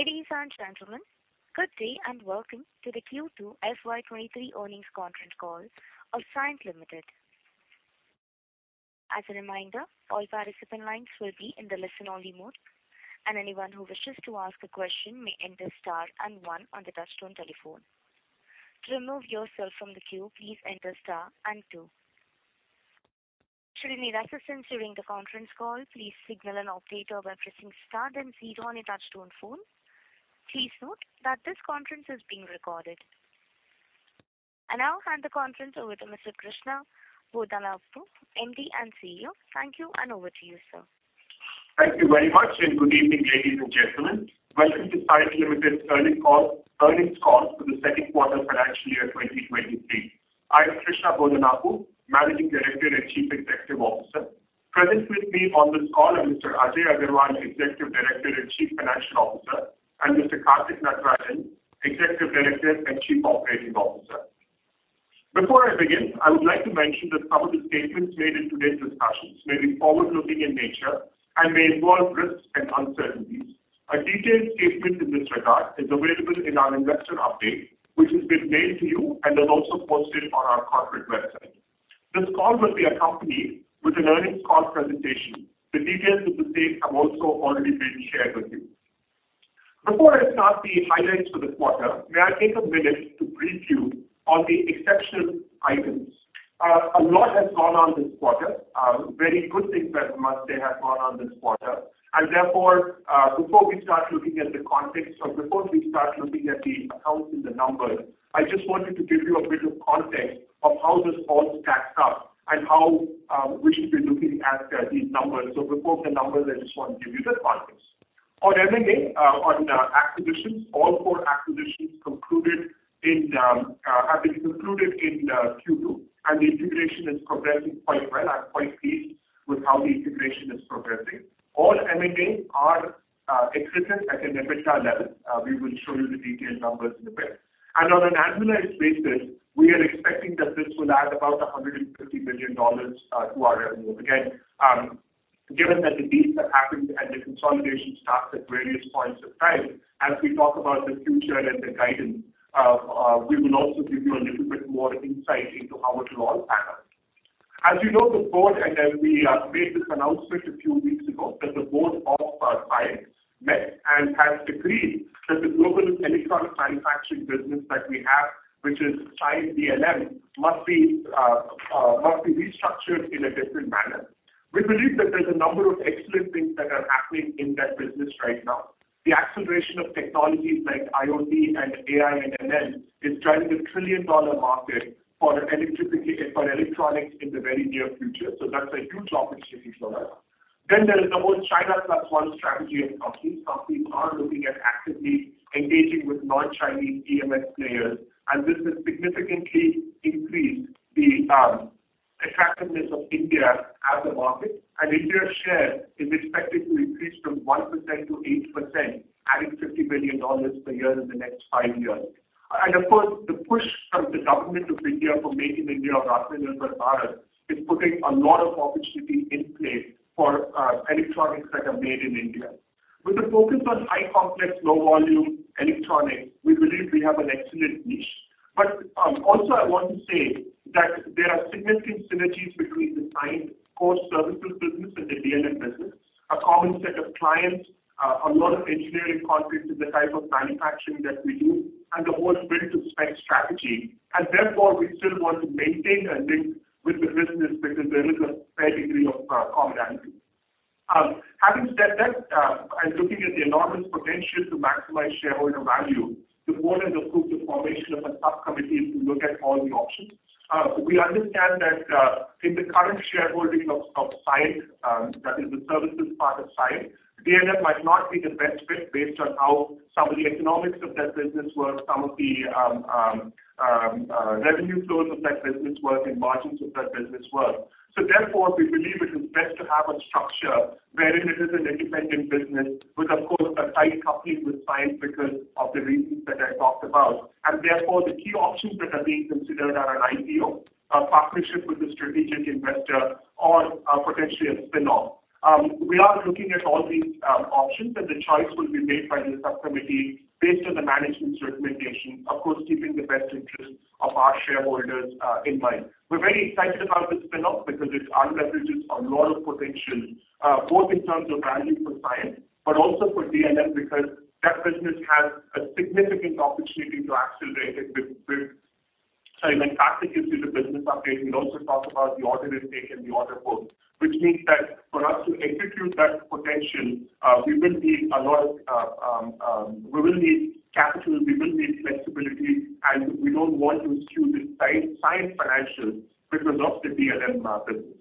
Ladies and gentlemen, good day, and welcome to the Q2 FY 2023 Earnings Conference Call of Cyient Limited. As a reminder, all participant lines will be in the listen-only mode, and anyone who wishes to ask a question may enter star and one on the touchtone telephone. To remove yourself from the queue, please enter star and two. Should you need assistance during the conference call, please signal an operator by pressing star then zero on your touchtone phone. Please note that this conference is being recorded. I now hand the conference over to Mr. Krishna Bodanapu, MD and CEO. Thank you, and over to you, sir. Thank you very much, and good evening, ladies and gentlemen. Welcome to Cyient Limited's earning call, earnings call for the second quarter financial year 2023. I am Krishna Bodanapu, Managing Director and Chief Executive Officer. Present with me on this call are Mr. Ajay Aggarwal, Executive Director and Chief Financial Officer, and Mr. Karthik Natarajan, Executive Director and Chief Operating Officer. Before I begin, I would like to mention that some of the statements made in today's discussions may be forward-looking in nature and may involve risks and uncertainties. A detailed statement in this regard is available in our investor update, which has been mailed to you and is also posted on our corporate website. This call will be accompanied with an earnings call presentation. The details of the same have also already been shared with you. Before I start the highlights for the quarter, may I take a minute to brief you on the exceptional items. A lot has gone on this quarter. Very good things that I must say have gone on this quarter. Therefore, before we start looking at the context or before we start looking at the accounts and the numbers, I just wanted to give you a bit of context of how this all stacks up and how we should be looking at these numbers. Before the numbers, I just want to give you the context. On M&A, on the acquisitions, all four acquisitions have been concluded in Q2, and the integration is progressing quite well. I'm quite pleased with how the integration is progressing. All M&A are accretive at an EBITDA level. We will show you the detailed numbers in a bit. On an annualized basis, we are expecting that this will add about $150 billion to our revenue. Again, given that the deals that happened and the consolidation starts at various points of time, as we talk about the future and the guidance, we will also give you a little bit more insight into how it will all pan out. As you know, the Board and as we made this announcement a few weeks ago, that the Board of Cyient met and has agreed that the global electronic manufacturing business that we have, which is Cyient DLM, must be restructured in a different manner. We believe that there's a number of excellent things that are happening in that business right now. The acceleration of technologies like IoT and AI and ML is driving a trillion-dollar market for electronics in the very near future. That's a huge opportunity for us. There is the whole China plus one strategy at play. We are looking at actively engaging with non-Chinese EMS players, and this has significantly increased the attractiveness of India as a market. India's share is expected to increase from 1%-8%, adding $50 billion per year in the next five years. Of course, the push from the government of India for Make in India or Atmanirbhar Bharat is putting a lot of opportunity in place for electronics that are made in India. With a focus on high complex, low volume electronic, we believe we have an excellent niche. Also I want to say that there are significant synergies between the Cyient core services business and the DLM business. A common set of clients, a lot of engineering content in the type of manufacturing that we do and the whole build to spec strategy. Therefore, we still want to maintain a link with the business because there is a fair degree of commonality. Having said that, looking at the enormous potential to maximize shareholder value, the board has approved the formation of a sub-committee to look at all the options. We understand that in the current shareholding of Cyient, that is the services part of Cyient, DLM might not be the best fit based on how some of the economics of that business work, some of the revenue flows of that business work and margins of that business work. We believe it is best to have a structure wherein it is an independent business with, of course, a tight coupling with Cyient because of the reasons that I talked about. The key options that are being considered are an IPO, a partnership with a strategic investor or potentially a spin-off. We are looking at all these options, and the choice will be made by the sub-committee based on the management's recommendation, of course, keeping the best interests of our shareholders in mind. We're very excited about the spin-off because it unleverages a lot of potential, both in terms of value for Cyient, but also for DLM because that business has a significant opportunity to accelerate it. When Karthik gives you the business update, he'll also talk about the order intake and the order book, which means that for us to execute that potential, we will need a lot, we will need capital, we will need flexibility, and we don't want to skew the Cyient financials because of the DLM business.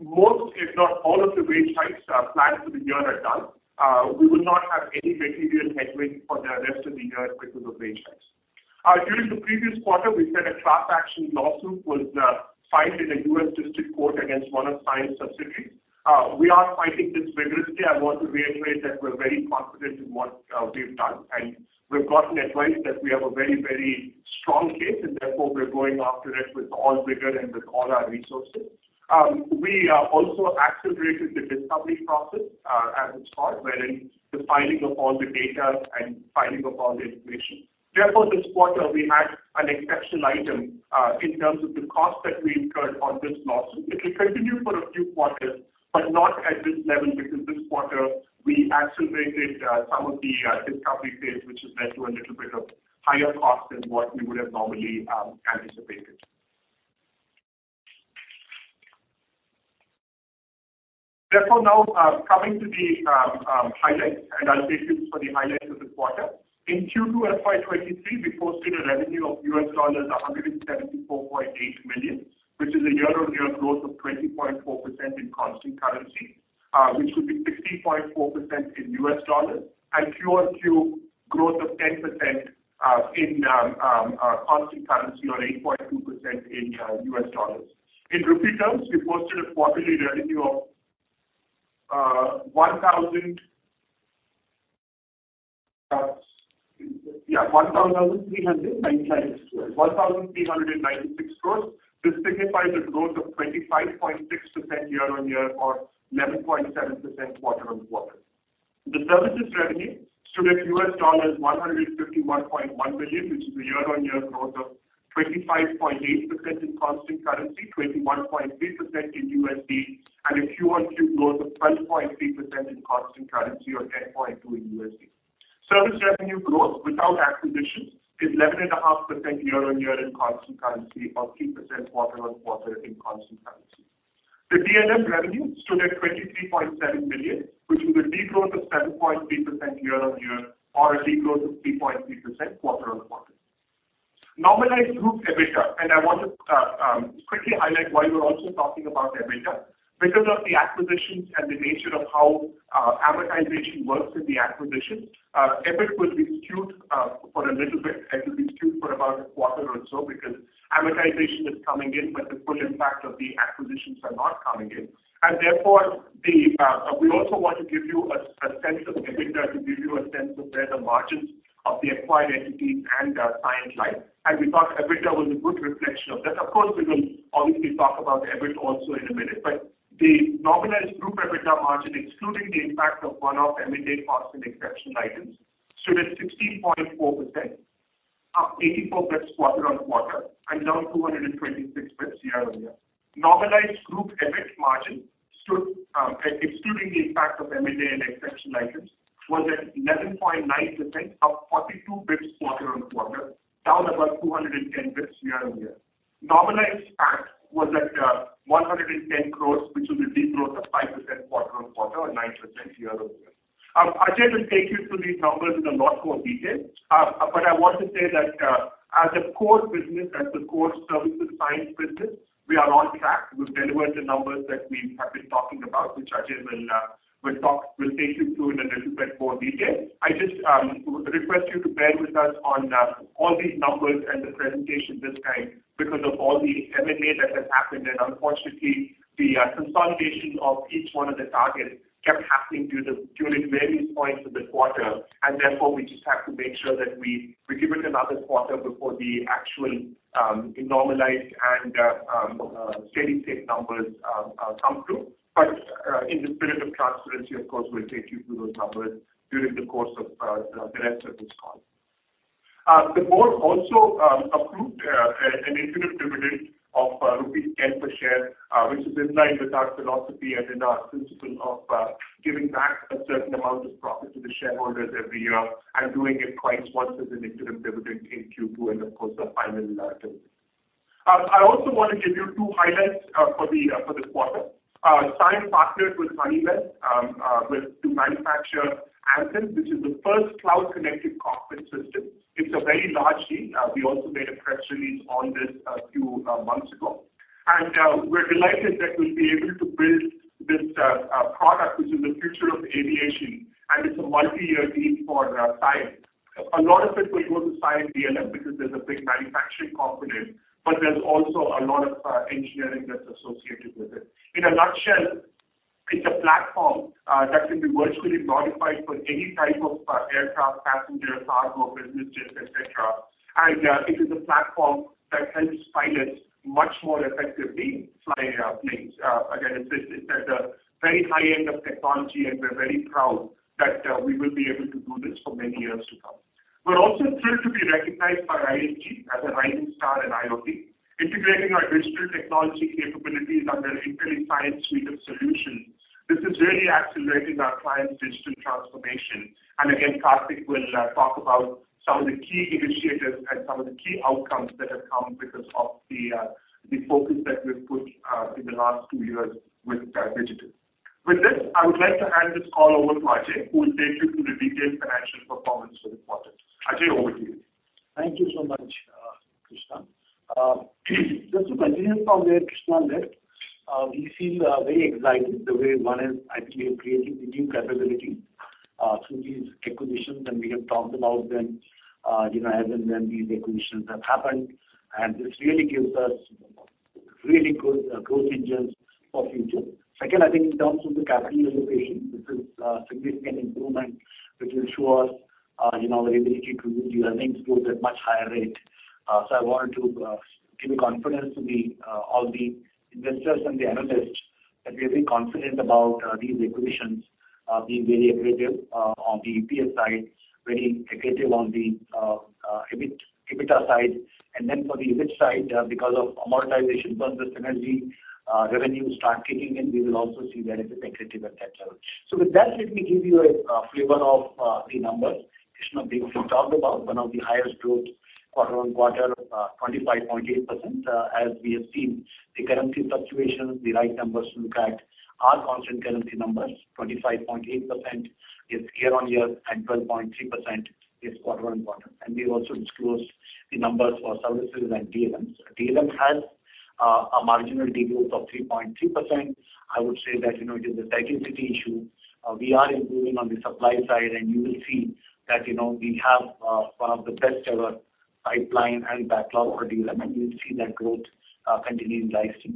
Most, if not all, of the wage hikes planned for the year are done. We will not have any material headwind for the rest of the year because of wage hikes. During the previous quarter, we said a class action lawsuit was filed in a U.S. district court against one of Cyient's subsidiaries. We are fighting this vigorously. I want to reiterate that we're very confident in what we've done, and we've gotten advice that we have a very strong case, and therefore we're going after it with all rigor and with all our resources. We are also accelerated the discovery process, as it's called, wherein the filing of all the data and filing of all the information. Therefore, this quarter, we had an exceptional item in terms of the cost that we incurred on this lawsuit. It will continue for a few quarters, but not at this level because this quarter we accelerated some of the discovery phase, which has led to a little bit of higher cost than what we would have normally anticipated. Therefore now, coming to the highlights. I'll take you through the highlights of the quarter. In Q2 FY 2023, we posted a revenue of $174.8 million, which is a year-over-year growth of 20.4% in constant currency, which would be 60.4% in U.S. dollars and quarter-over-quarter growth of 10% in constant currency or 8.2% in U.S. dollars. In rupee terms, we posted a quarterly revenue of 1,396 crores. 1,396 crores. This signifies a growth of 25.6% year-on-year or 11.7% quarter-on-quarter. The services revenue stood at $151.1 million, which is a year-on-year growth of 25.8% in constant currency, 21.3% in USD, and a quarter-on-quarter growth of 12.3% in constant currency or 10.2% in USD. Service revenue growth without acquisition is 11.5% year-on-year in constant currency or 3% quarter-on-quarter in constant currency. The DLM revenue stood at $23.7 million, which is a de-growth of 7.3% year-on-year or a de-growth of 3.3% quarter-on-quarter. Normalized group EBITDA. I want to quickly highlight why we're also talking about EBITDA. Because of the acquisitions and the nature of how amortization works in the acquisition, EBIT will be skewed for a little bit. It will be skewed for about a quarter or so because amortization is coming in, but the full impact of the acquisitions are not coming in. Therefore we also want to give you a sense of EBITDA to give you a sense of where the margins of the acquired entities and Cyient lie. We thought EBITDA was a good reflection of that. Of course, we will obviously talk about EBIT also in a minute. The normalized group EBITDA margin, excluding the impact of one-off M&A costs and exceptional items, stood at 16.4%, up 84 basis points quarter-on-quarter and down 226 basis points year-on-year. Normalized group EBIT margin stood excluding the impact of M&A and exceptional items, was at 11.9%, up 42 basis points quarter-on-quarter, down about 210 basis points year-on-year. Normalized PAT was at 110 crores, which is a de-growth of 5% quarter-on-quarter and 9% year-on-year. Ajay will take you through these numbers in a lot more detail. I want to say that as a core business, as the core services business, we are on track to deliver the numbers that we have been talking about, which Ajay will take you through in a little bit more detail. I just request you to bear with us on all these numbers and the presentation this time because of all the M&A that has happened. Unfortunately, the consolidation of each one of the targets kept happening during various points of the quarter. Therefore, we just have to make sure that we give it another quarter before the actual normalized and steady-state numbers come through. In the spirit of transparency, of course, we'll take you through those numbers during the course of the rest of this call. The board also approved an interim dividend of rupees 10 per share, which is in line with our philosophy and in our principle of giving back a certain amount of profit to the shareholders every year and doing it twice, once as an interim dividend in Q2 and of course a final dividend. I also wanna give you two highlights for this quarter. Cyient partnered with Honeywell to manufacture Anthem, which is the first cloud-connected cockpit system. It's a very large deal. We also made a press release on this a few months ago. We're delighted that we'll be able to build this product, which is the future of aviation, and it's a multi-year deal for Cyient. A lot of it will go to Cyient DLM because there's a big manufacturing component, but there's also a lot of engineering that's associated with it. In a nutshell, it's a platform that can be virtually modified for any type of aircraft, passenger, cargo, business jets, et cetera. It is a platform that helps pilots much more effectively fly planes. Again, it's at a very high end of technology, and we're very proud that we will be able to do this for many years to come. We're also thrilled to be recognized by ISG as a rising star in IoT, integrating our digital technology capabilities under INTELLICYIENT suite of solutions. This is really accelerating our clients' digital transformation. Again, Karthik will talk about some of the key initiatives and some of the key outcomes that have come because of the focus that we've put in the last two years with digital. With this, I would like to hand this call over to Ajay, who will take you through the detailed financial performance for this quarter. Ajay, over to you. Thank you so much, Krishna. Just to continue from where Krishna left, we feel very excited the way one is, I think, we are creating the new capability through these acquisitions, and we have talked about them, you know, as and when these acquisitions have happened. This really gives us really good growth engines for future. Second, I think in terms of the capital allocation, this is significant improvement which will show us, you know, the ability to do earnings growth at much higher rate. I wanted to give a confidence to all the investors and the analysts that we are very confident about these acquisitions being very accretive on the EPS side, very accretive on the EBITDA side. For the EBIT side, because of amortization, but the synergy, revenue start kicking in, we will also see that it is accretive at that level. With that, let me give you a flavor of the numbers. We talked about one of the highest growth quarter-over-quarter, 25.8%. As we have seen the currency fluctuations, the right numbers to look at are constant currency numbers. 25.8% is year-over-year, and 12.3% is quarter-over-quarter. We've also disclosed the numbers for services and DLMs. DLM has a marginal degrowth of 3.3%. I would say that, you know, it is a scarcity issue. We are improving on the supply side, and you will see that, you know, we have one of the best ever pipeline and backlog for DLM, and you'll see that growth continue in the IC.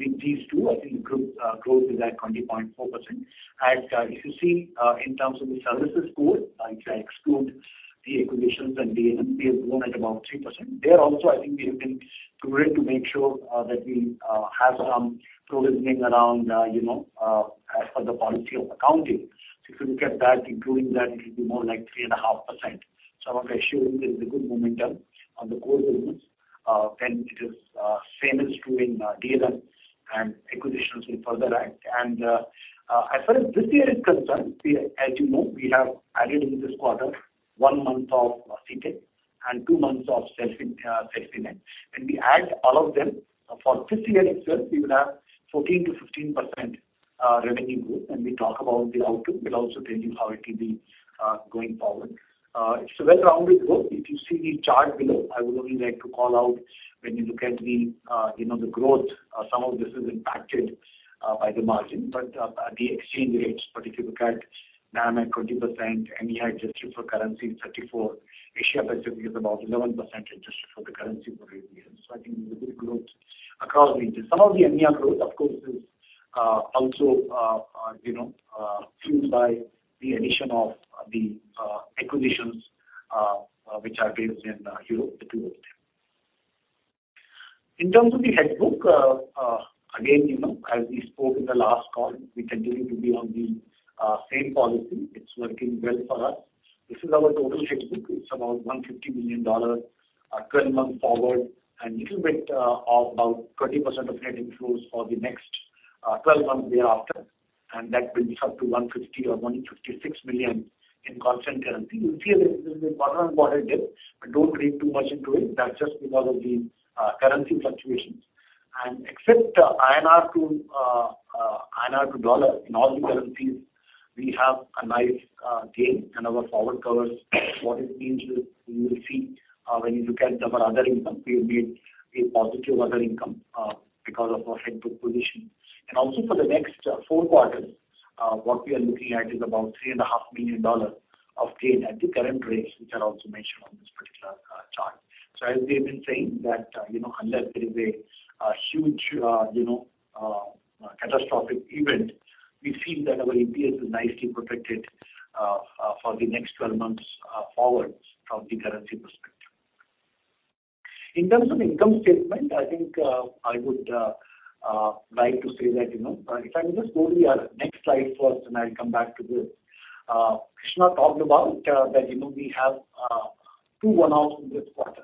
With these two, I think group growth is at 20.4%. As if you see in terms of the services growth, if I exclude the acquisitions and DLM, we have grown at about 3%. There also I think we have been prudent to make sure that we have some provisioning around, you know, as per the policy of accounting. If you look at that, including that, it will be more like 3.5%. Some of the issues is the good momentum on the core business. It is the same is true in DLM and acquisitions will further add. As far as this year is concerned, as you know, we have added in this quarter one month of Citec and two months of Celfinet. When we add all of them, for this year itself, we will have 14%-15% revenue growth. When we talk about the outlook, we'll also tell you how it will be going forward. It's a well-rounded growth. If you see the chart below, I would only like to call out when you look at the, you know, the growth, some of this is impacted by the margin, but the exchange rates. If you look at NAM at 20%, EMEA adjusted for currency 34%, Asia Pacific is about 11% adjusted for the currency for this year. I think there's a good growth across the region. Some of the EMEA growth, of course, is also, you know, fueled by the addition of the acquisitions, which are based in Europe, the two of them. In terms of the order book, again, you know, as we spoke in the last call, we continue to be on the same policy. It's working well for us. This is our total order book. It's about $150 million, 12 months forward and little bit of about 20% of net inflows for the next 12 months thereafter. That brings us to $150 million or $156 million in constant currency. You'll see a little bit quarter-on-quarter dip, but don't read too much into it. That's just because of the currency fluctuations. Except INR to dollar, in all the currencies we have a nice gain in our forward covers. What it means is you will see, when you look at our other income, we have made a positive other income because of our hedge book position. Also for the next four quarters, what we are looking at is about $3.5 million of gain at the current rates, which are also mentioned on this particular chart. As we have been saying that, you know, unless there is a huge, you know, catastrophic event, we feel that our EPS is nicely protected, for the next 12 months, forwards from the currency perspective. In terms of income statement, I think, I would like to say that, you know, if I can just go to our next slide first, and I'll come back to this. Krishna talked about that, you know, we have two one-offs in this quarter.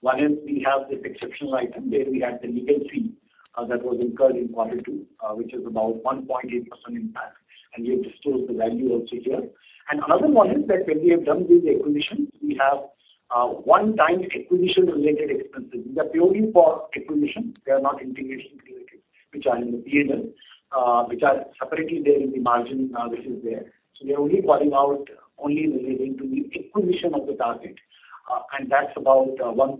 One is we have this exceptional item where we had the legal fee that was incurred in quarter two, which is about 1.8% impact. We have disclosed the value also here. Another one is that when we have done these acquisitions, we have one-time acquisition related expenses. These are purely for acquisition. They are not integration related, which are in the DLM, which are separately there in the margin analysis there. We are only calling out relating to the acquisition of the target, and that's about 1.7%.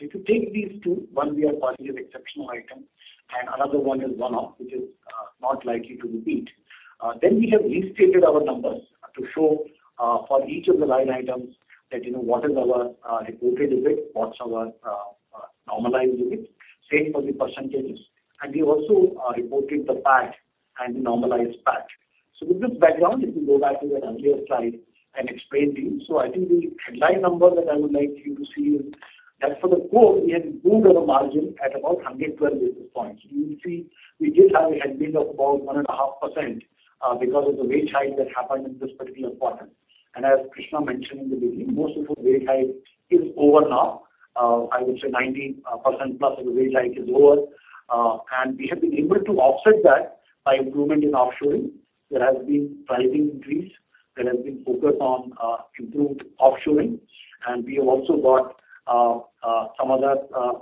If you take these two, one we are passing as exceptional item and another one is one-off which is not likely to repeat. We have restated our numbers to show for each of the line items that, you know, what is our reported effect, what's our normalized effect, same for the percentages. We also reported the PAT and normalized PAT. With this background, if you go back to the earlier slide and explain these. I think the headline number that I would like you to see is that for the core, we have improved our margin at about 112 basis points. You will see we did have a headwind of about 1.5%, because of the wage hike that happened in this particular quarter. As Krishna mentioned in the beginning, most of the wage hike is over now. I would say 90% plus of the wage hike is over. We have been able to offset that by improvement in offshoring. There has been pricing increase. There has been focus on improved offshoring. We have also got some other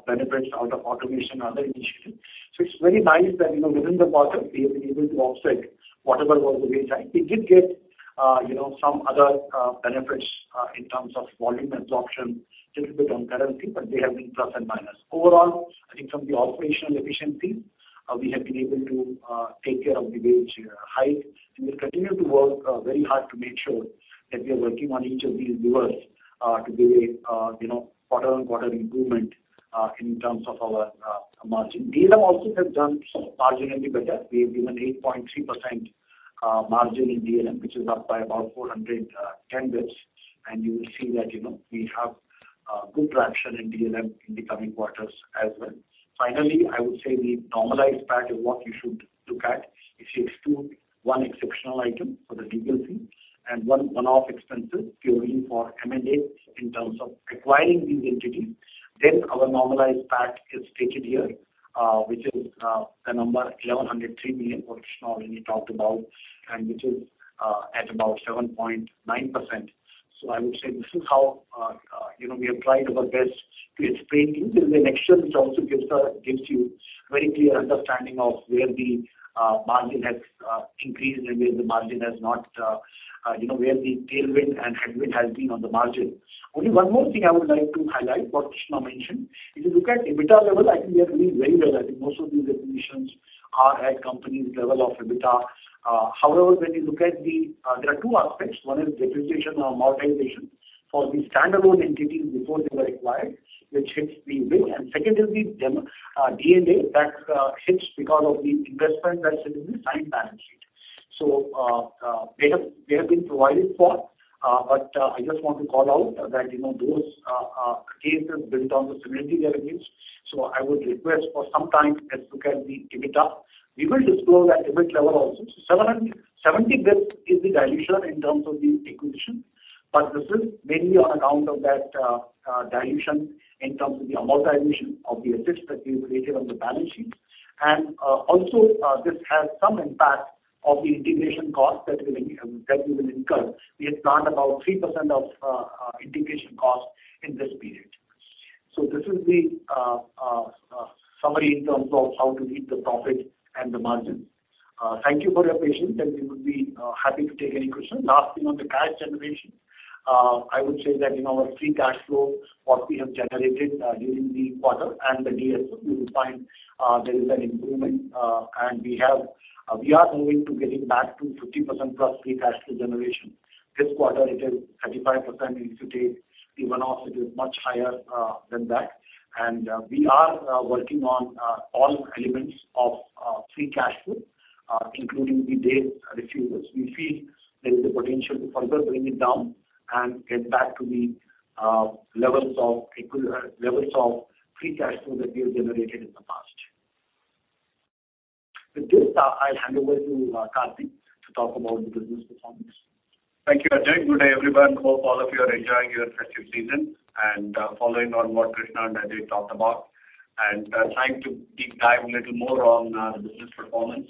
benefits out of automation and other initiatives. It's very nice that, you know, within the quarter we have been able to offset whatever was the wage hike. We did get, you know, some other, benefits, in terms of volume absorption, little bit on currency, but they have been plus and minus. Overall, I think from the operational efficiency, we have been able to take care of the wage hike. We've continued to work, very hard to make sure that we are working on each of these levers, to be, you know, quarter-on-quarter improvement, in terms of our, margin. DLM also has done marginally better. We have given 8.3% margin in DLM, which is up by about 410 basis points. You will see that, you know, we have, good traction in DLM in the coming quarters as well. Finally, I would say the normalized PAT is what you should look at. If you exclude one exceptional item for the DVC and one-off expenses purely for M&A in terms of acquiring these entities, then our normalized PAT is stated here, which is the number 1,103 million, which Krishna already talked about and which is at about 7.9%. I would say this is how you know we have tried our best to explain. There is an annexure which also gives you very clear understanding of where the margin has increased and where the margin has not you know where the tailwind and headwind has been on the margin. Only one more thing I would like to highlight what Krishna mentioned. If you look at EBITDA level, I think we are doing very well. I think most of the acquisitions are at company's level of EBITDA. However, when you look at the, there are two aspects. One is depreciation or amortization for the standalone entities before they were acquired, which hits the P&L. Second is the D&A that hits because of the investment that's in the consolidated balance sheet. They have been provided for, but I just want to call out that, you know, those costs are built into the estimates we have. I would request some time to look at the EBITDA. We will disclose at EBIT level also. 70 basis points is the dilution in terms of the acquisition. This is mainly on account of that dilution in terms of the amortization of the assets that we have created on the balance sheet. Also, this has some impact of the integration costs that we will incur. We have planned about 3% of integration costs in this period. This is the summary in terms of how to read the profit and the margin. Thank you for your patience, and we would be happy to take any questions. Last thing on the cash generation. I would say that in our free cash flow, what we have generated during the quarter and the DSO, you will find there is an improvement. We are moving to getting back to 50%+ free cash flow generation. This quarter it is 35%. If you take the one-off, it is much higher than that. We are working on all elements of free cash flow, including the DSO. We feel there is a potential to further bring it down and get back to the usual levels of free cash flow that we have generated in the past. With this, I'll hand over to Karthik to talk about the business performance. Thank you, Ajay. Good day, everyone. Hope all of you are enjoying your festive season and following on what Krishna and Ajay talked about. Trying to deep dive a little more on the business performance.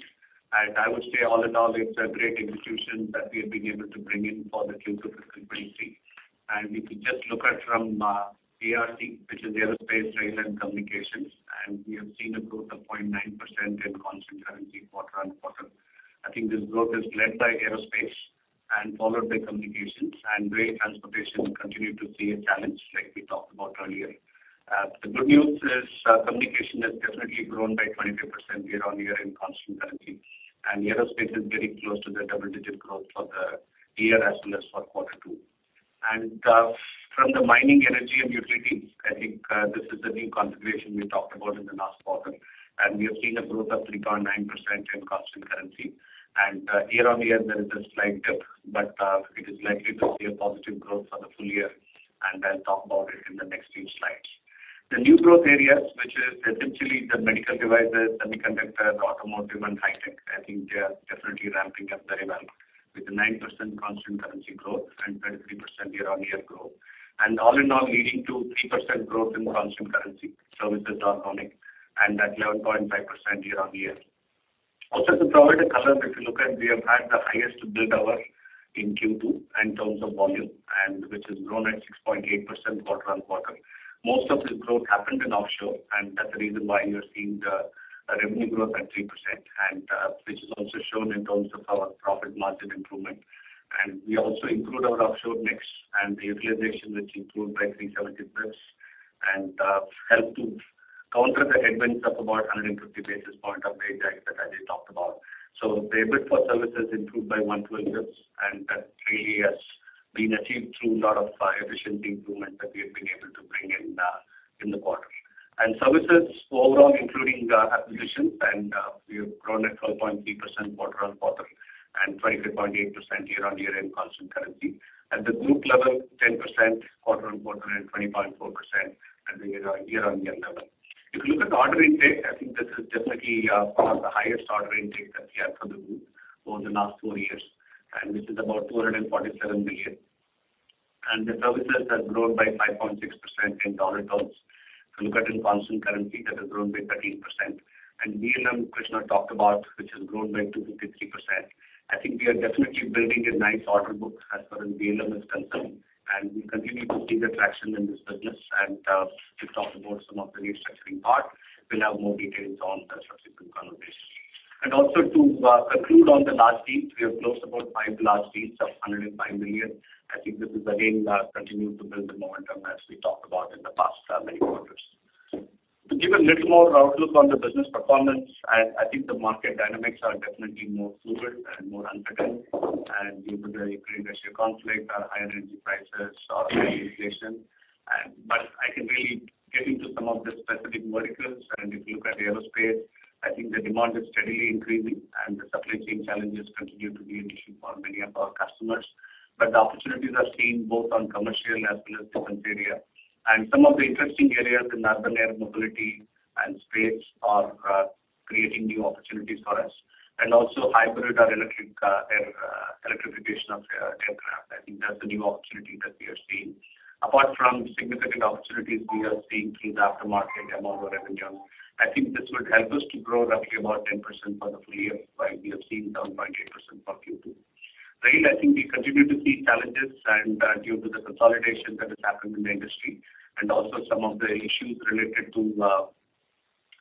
I would say all in all, it's a great execution that we have been able to bring in for the Q2 2023. If you just look at from ARC, which is Aerospace, Rail and Communications, and we have seen a growth of 0.9% in constant currency quarter-on-quarter. I think this growth is led by aerospace and followed by communications. Rail transportation continue to see a challenge like we talked about earlier. The good news is, communication has definitely grown by 23% year-on-year in constant currency. Aerospace is very close to the double-digit growth for the year as well as for quarter two. From the Mining, Energy, and Utilities, I think this is a new configuration we talked about in the last quarter. We have seen a growth of 3.9% in constant currency. Year-on-year there is a slight dip, but it is likely to see a positive growth for the full year, and I'll talk about it in the next few slides. The new growth areas, which is essentially the medical devices, semiconductors, automotive, and high tech, I think they are definitely ramping up very well with a 9% constant currency growth and 23% year-on-year growth. All in all leading to 3% growth in constant currency services, dot on IC and at 11.5% year-on-year. To provide a color, if you look at we have had the highest billable hour in Q2 in terms of volume, and which has grown at 6.8% quarter-on-quarter. Most of this growth happened in offshore, and that's the reason why you're seeing the revenue growth at 3% and which is also shown in terms of our profit margin improvement. We also improved our offshore mix and the utilization which improved by 370 basis and helped to counter the headwinds of about 150 basis point of wage hike that Ajay talked about. The bill for services improved by 120 basis, and that really has been achieved through lot of efficiency improvement that we have been able to bring in in the quarter. Services overall including acquisitions and we have grown at 12.3% quarter-on-quarter and 23.8% year-on-year in constant currency. At the group level, 10% quarter-on-quarter and 20.4% at the year-on-year level. If you look at order intake, I think this is definitely one of the highest order intake that we have for the group over the last four years, and this is about $247 billion. The services have grown by 5.6% in dollar terms. If you look at in constant currency, that has grown by 13%. DLM, Krishna talked about, which has grown by 253%. I think we are definitely building a nice order book as far as DLM is concerned, and we continue to see the traction in this business. We've talked about some of the restructuring part. We'll have more details on the subsequent conversations. Also to conclude on the large deals, we have closed about five large deals of $105 million. I think this is again continuing to build the momentum as we talked about in the past many quarters. To give a little more outlook on the business performance, I think the market dynamics are definitely more fluid and more uncertain, and due to the Ukraine-Russia conflict, higher energy prices or high inflation. I can really get into some of the specific verticals, and if you look at aerospace, I think the demand is steadily increasing and the supply chain challenges continue to be an issue for many of our customers. The opportunities are seen both on commercial as well as defense area. Some of the interesting areas in urban air mobility and space are creating new opportunities for us, and also hybrid or electric air electrification of aircraft. I think that's the new opportunity that we have seen. Apart from significant opportunities we are seeing through the aftermarket and overhaul revenue, I think this would help us to grow roughly about 10% for the full year, while we have seen 7.8% for Q2. Rail. I think we continue to see challenges and, due to the consolidation that has happened in the industry, and also some of the issues related to,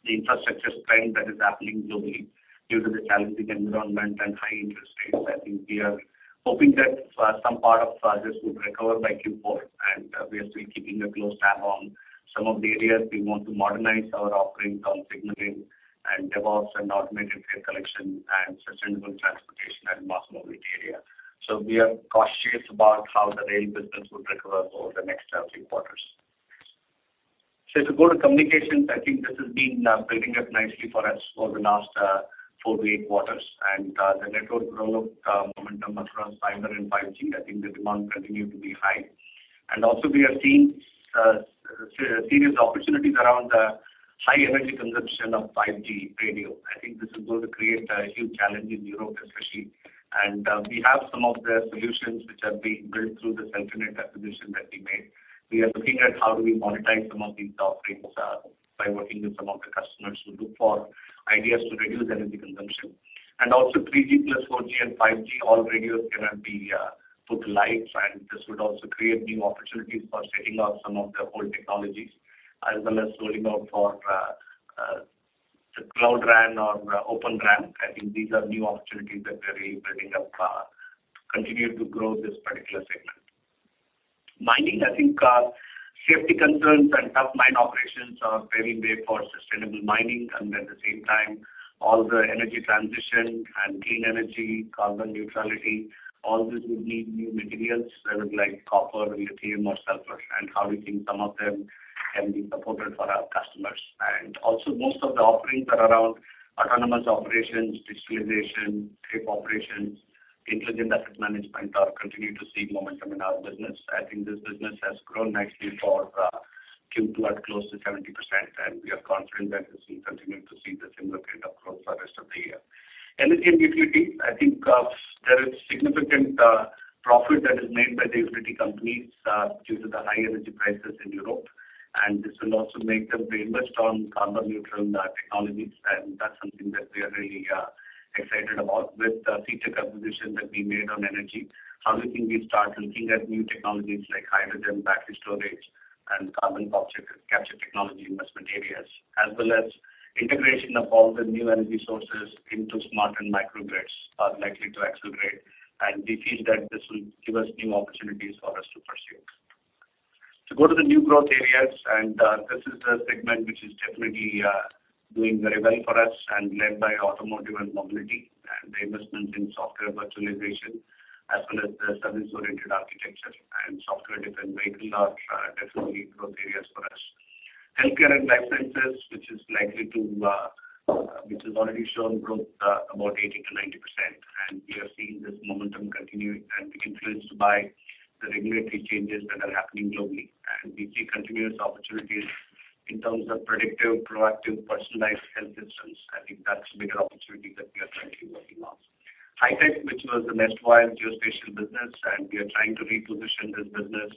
the infrastructure spend that is happening globally due to the challenging environment and high interest rates. I think we are hoping that, some part of this would recover by Q4, and, we are still keeping a close tab on some of the areas we want to modernize our offerings on signaling and DevOps and automated fare collection and sustainable transportation and mass mobility area. We are cautious about how the rail business would recover over the next, three quarters. If you go to communications, I think this has been, building up nicely for us over the last, four to eight quarters. The network rollout momentum across fiber and 5G, I think the demand continues to be high. We have seen serious opportunities around high energy consumption of 5G radio. I think this is going to create a huge challenge in Europe especially. We have some of the solutions which are being built through the Celfinet acquisition that we made. We are looking at how do we monetize some of these offerings by working with some of the customers who look for ideas to reduce their energy consumption. 3G plus, 4G and 5G, all radios gonna be put live, and this would also create new opportunities for setting up some of the old technologies as well as rolling out for the Cloud RAN or Open RAN. I think these are new opportunities that we are really building up to continue to grow this particular segment. Mining, I think, safety concerns and tough mine operations are paving way for sustainable mining. At the same time, all the energy transition and clean energy, carbon neutrality, all this would need new materials, whether like copper, lithium or sulfur, and how we think some of them can be supported for our customers. Also most of the offerings are around autonomous operations, digitalization, safe operations, intelligent asset management are continuing to see momentum in our business. I think this business has grown nicely for Q2 at close to 70%, and we are confident that we'll see continue to see the similar kind of growth for rest of the year. Energy and utility, I think, there is significant profit that is made by the utility companies due to the high energy prices in Europe. This will also make them very much on carbon-neutral technologies, and that's something that we are really excited about. With the future acquisitions that we made on energy, now we think we start looking at new technologies like hydrogen, battery storage and carbon capture technology investment areas, as well as integration of all the new energy sources into smart and micro grids are likely to accelerate. We feel that this will give us new opportunities for us to pursue. To go to the new growth areas, this is a segment which is definitely doing very well for us and led by automotive and mobility and the investments in software virtualization as well as the service-oriented architecture and software-defined vehicle are definitely growth areas for us. Healthcare and life sciences, which has already shown growth about 80%-90%. We are seeing this momentum continuing and influenced by the regulatory changes that are happening globally. We see continuous opportunities in terms of predictive, proactive, personalized health systems. I think that's a bigger opportunity that we are currently working on. High tech, which was the Infotech Geospatial business, and we are trying to reposition this business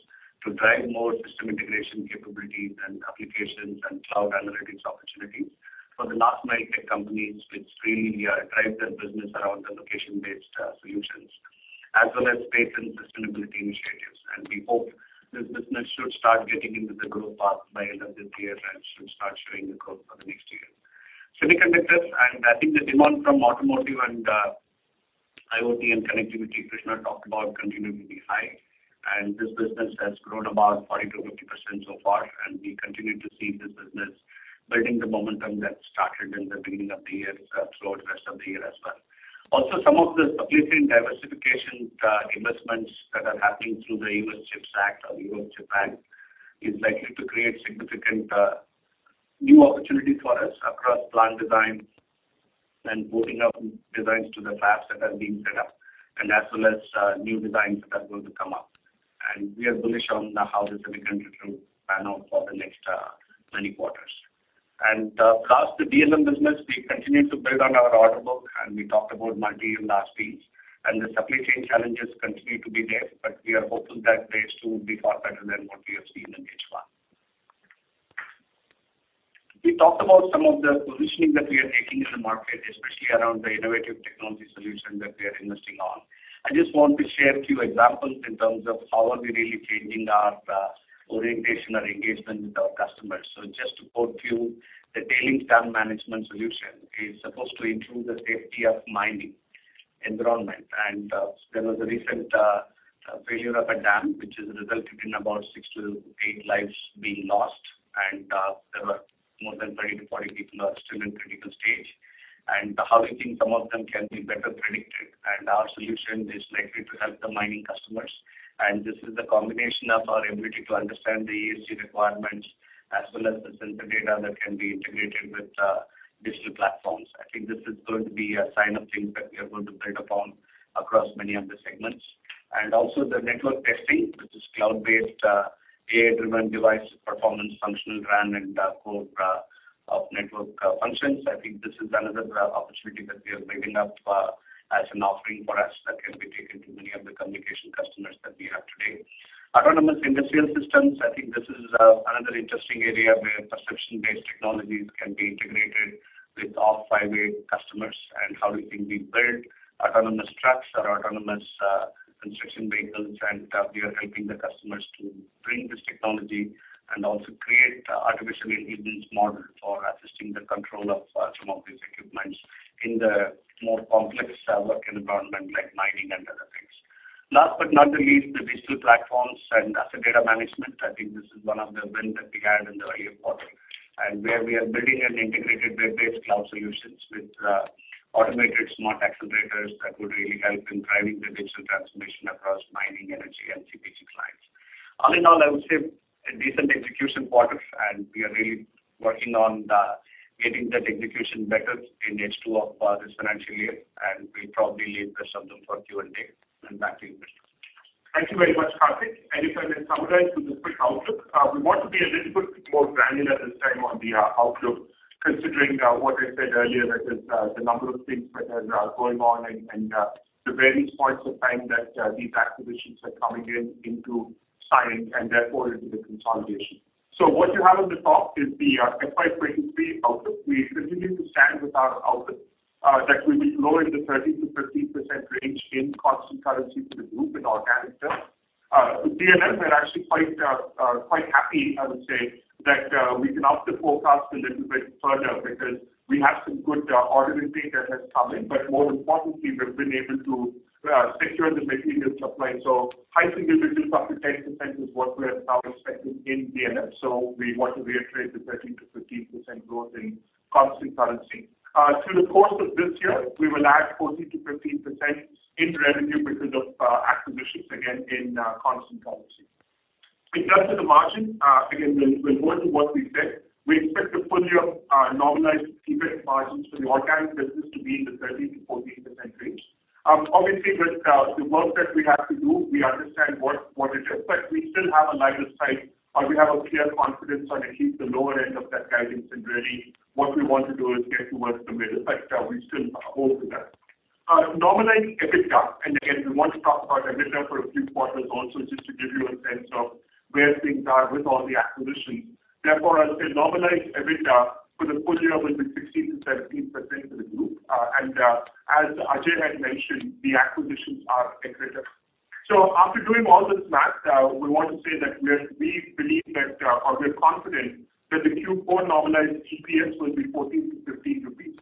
to drive more system integration capabilities and applications and cloud analytics opportunities. For the last mile tech companies, which really, drive their business around the location-based, solutions as well as space and sustainability initiatives. We hope this business should start getting into the growth path by end of this year and should start showing the growth for the next year. Semiconductors, and I think the demand from automotive and, IoT and connectivity Krishna talked about continue to be high. This business has grown about 40%-50% so far. We continue to see this business building the momentum that started in the beginning of the year throughout rest of the year as well. Also some of the supply chain diversification, investments that are happening through the U.S. CHIPS Act or European Chips Act is likely to create significant, new opportunities for us across plant design and building up designs to the fabs that are being set up, and as well as, new designs that are going to come up. We are bullish on how the semiconductor will pan out for the next, many quarters. Last, the DLM business, we continue to build on our order book, and we talked about multi and large deals. The supply chain challenges continue to be there, but we are hopeful that they too will be far better than what we have seen in H1. We talked about some of the positioning that we are taking in the market, especially around the innovative technology solution that we are investing on. I just want to share a few examples in terms of how are we really changing our, orientation or engagement with our customers. Just to quote you, the tailing dam management solution is supposed to improve the safety of mining environment. There was a recent failure of a dam which has resulted in about 6-8 lives being lost. There were more than 30-40 people are still in critical stage. How we think some of them can be better predicted, and our solution is likely to help the mining customers. This is the combination of our ability to understand the ESG requirements as well as the sensor data that can be integrated with digital platforms. I think this is going to be a sign of things that we are going to build upon across many of the segments. The network testing, which is cloud-based AI-driven device performance functional brand and core network functions. I think this is another opportunity that we are building up as an offering for us that can be taken to many of the communication customers that we have today. Autonomous industrial systems, I think this is another interesting area where perception-based technologies can be integrated with our 5G customers and how we think we build autonomous trucks or autonomous construction vehicles. We are helping the customers to bring this technology and also create AI-enabled models for assisting the control of some of these equipments in the more complex work environment like mining and other things. Last but not least, the digital platforms and asset data management. I think this is one of the wins that we had in the earlier quarter, and where we are building an integrated web-based cloud solutions with automated smart accelerators that would really help in driving the digital transformation across mining, energy, and CPG clients. All in all, I would say a decent execution quarter, and we are really working on getting that execution better in H2 of this financial year, and we'll probably leave the rest of them for Q&A. Back to you, Krishna. Thank you very much, Karthik. If I may summarize with the quick outlook, we want to be a little bit more granular this time on the outlook, considering what I said earlier, that is, the number of things that are going on and the various points of time that these acquisitions are coming in into signing and therefore into the consolidation. What you have at the top is the FY 2023 outlook. We continue to stand with our outlook that we'll be lower in the 13%-15% range in constant currency for the group in organic terms. With DLM, we're actually quite happy, I would say, that we can up the forecast a little bit further because we have some good order intake that has come in, but more importantly, we've been able to secure the material supply. High single digits up to 10% is what we're now expecting in DLM. We want to reiterate the 13%-15% growth in constant currency. Through the course of this year, we will add 14%-15% in revenue because of acquisitions, again, in constant currency. In terms of the margin, again, we're going to what we said. We expect the full year normalized EBIT margins for the organic business to be in the 13%-14% range. Obviously, with the work that we have to do, we understand what it is, but we still have a line of sight, or we have a clear confidence on at least the lower end of that guidance. Really what we want to do is get towards the middle. We still hope for that. Normalized EBITDA, and again, we want to talk about EBITDA for a few quarters also, just to give you a sense of where things are with all the acquisitions. Therefore, I'll say normalized EBITDA for the full year will be 16%-17% for the group. As Ajay had mentioned, the acquisitions are accretive. After doing all this math, we believe that or we're confident that the Q4 normalized EPS will be 14-15 rupees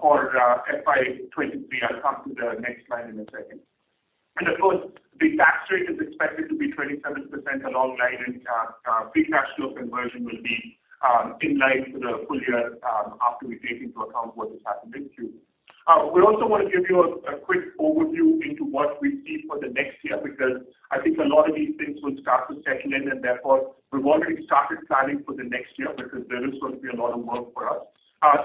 for FY 2023. I'll come to the next slide in a second. Of course, the tax rate is expected to be 27% alongside, free cash flow conversion will be in line for the full year after we take into account what has happened this year. We also want to give you a quick overview into what we see for the next year, because I think a lot of these things will start to settle in, and therefore we've already started planning for the next year because there is going to be a lot of work for us.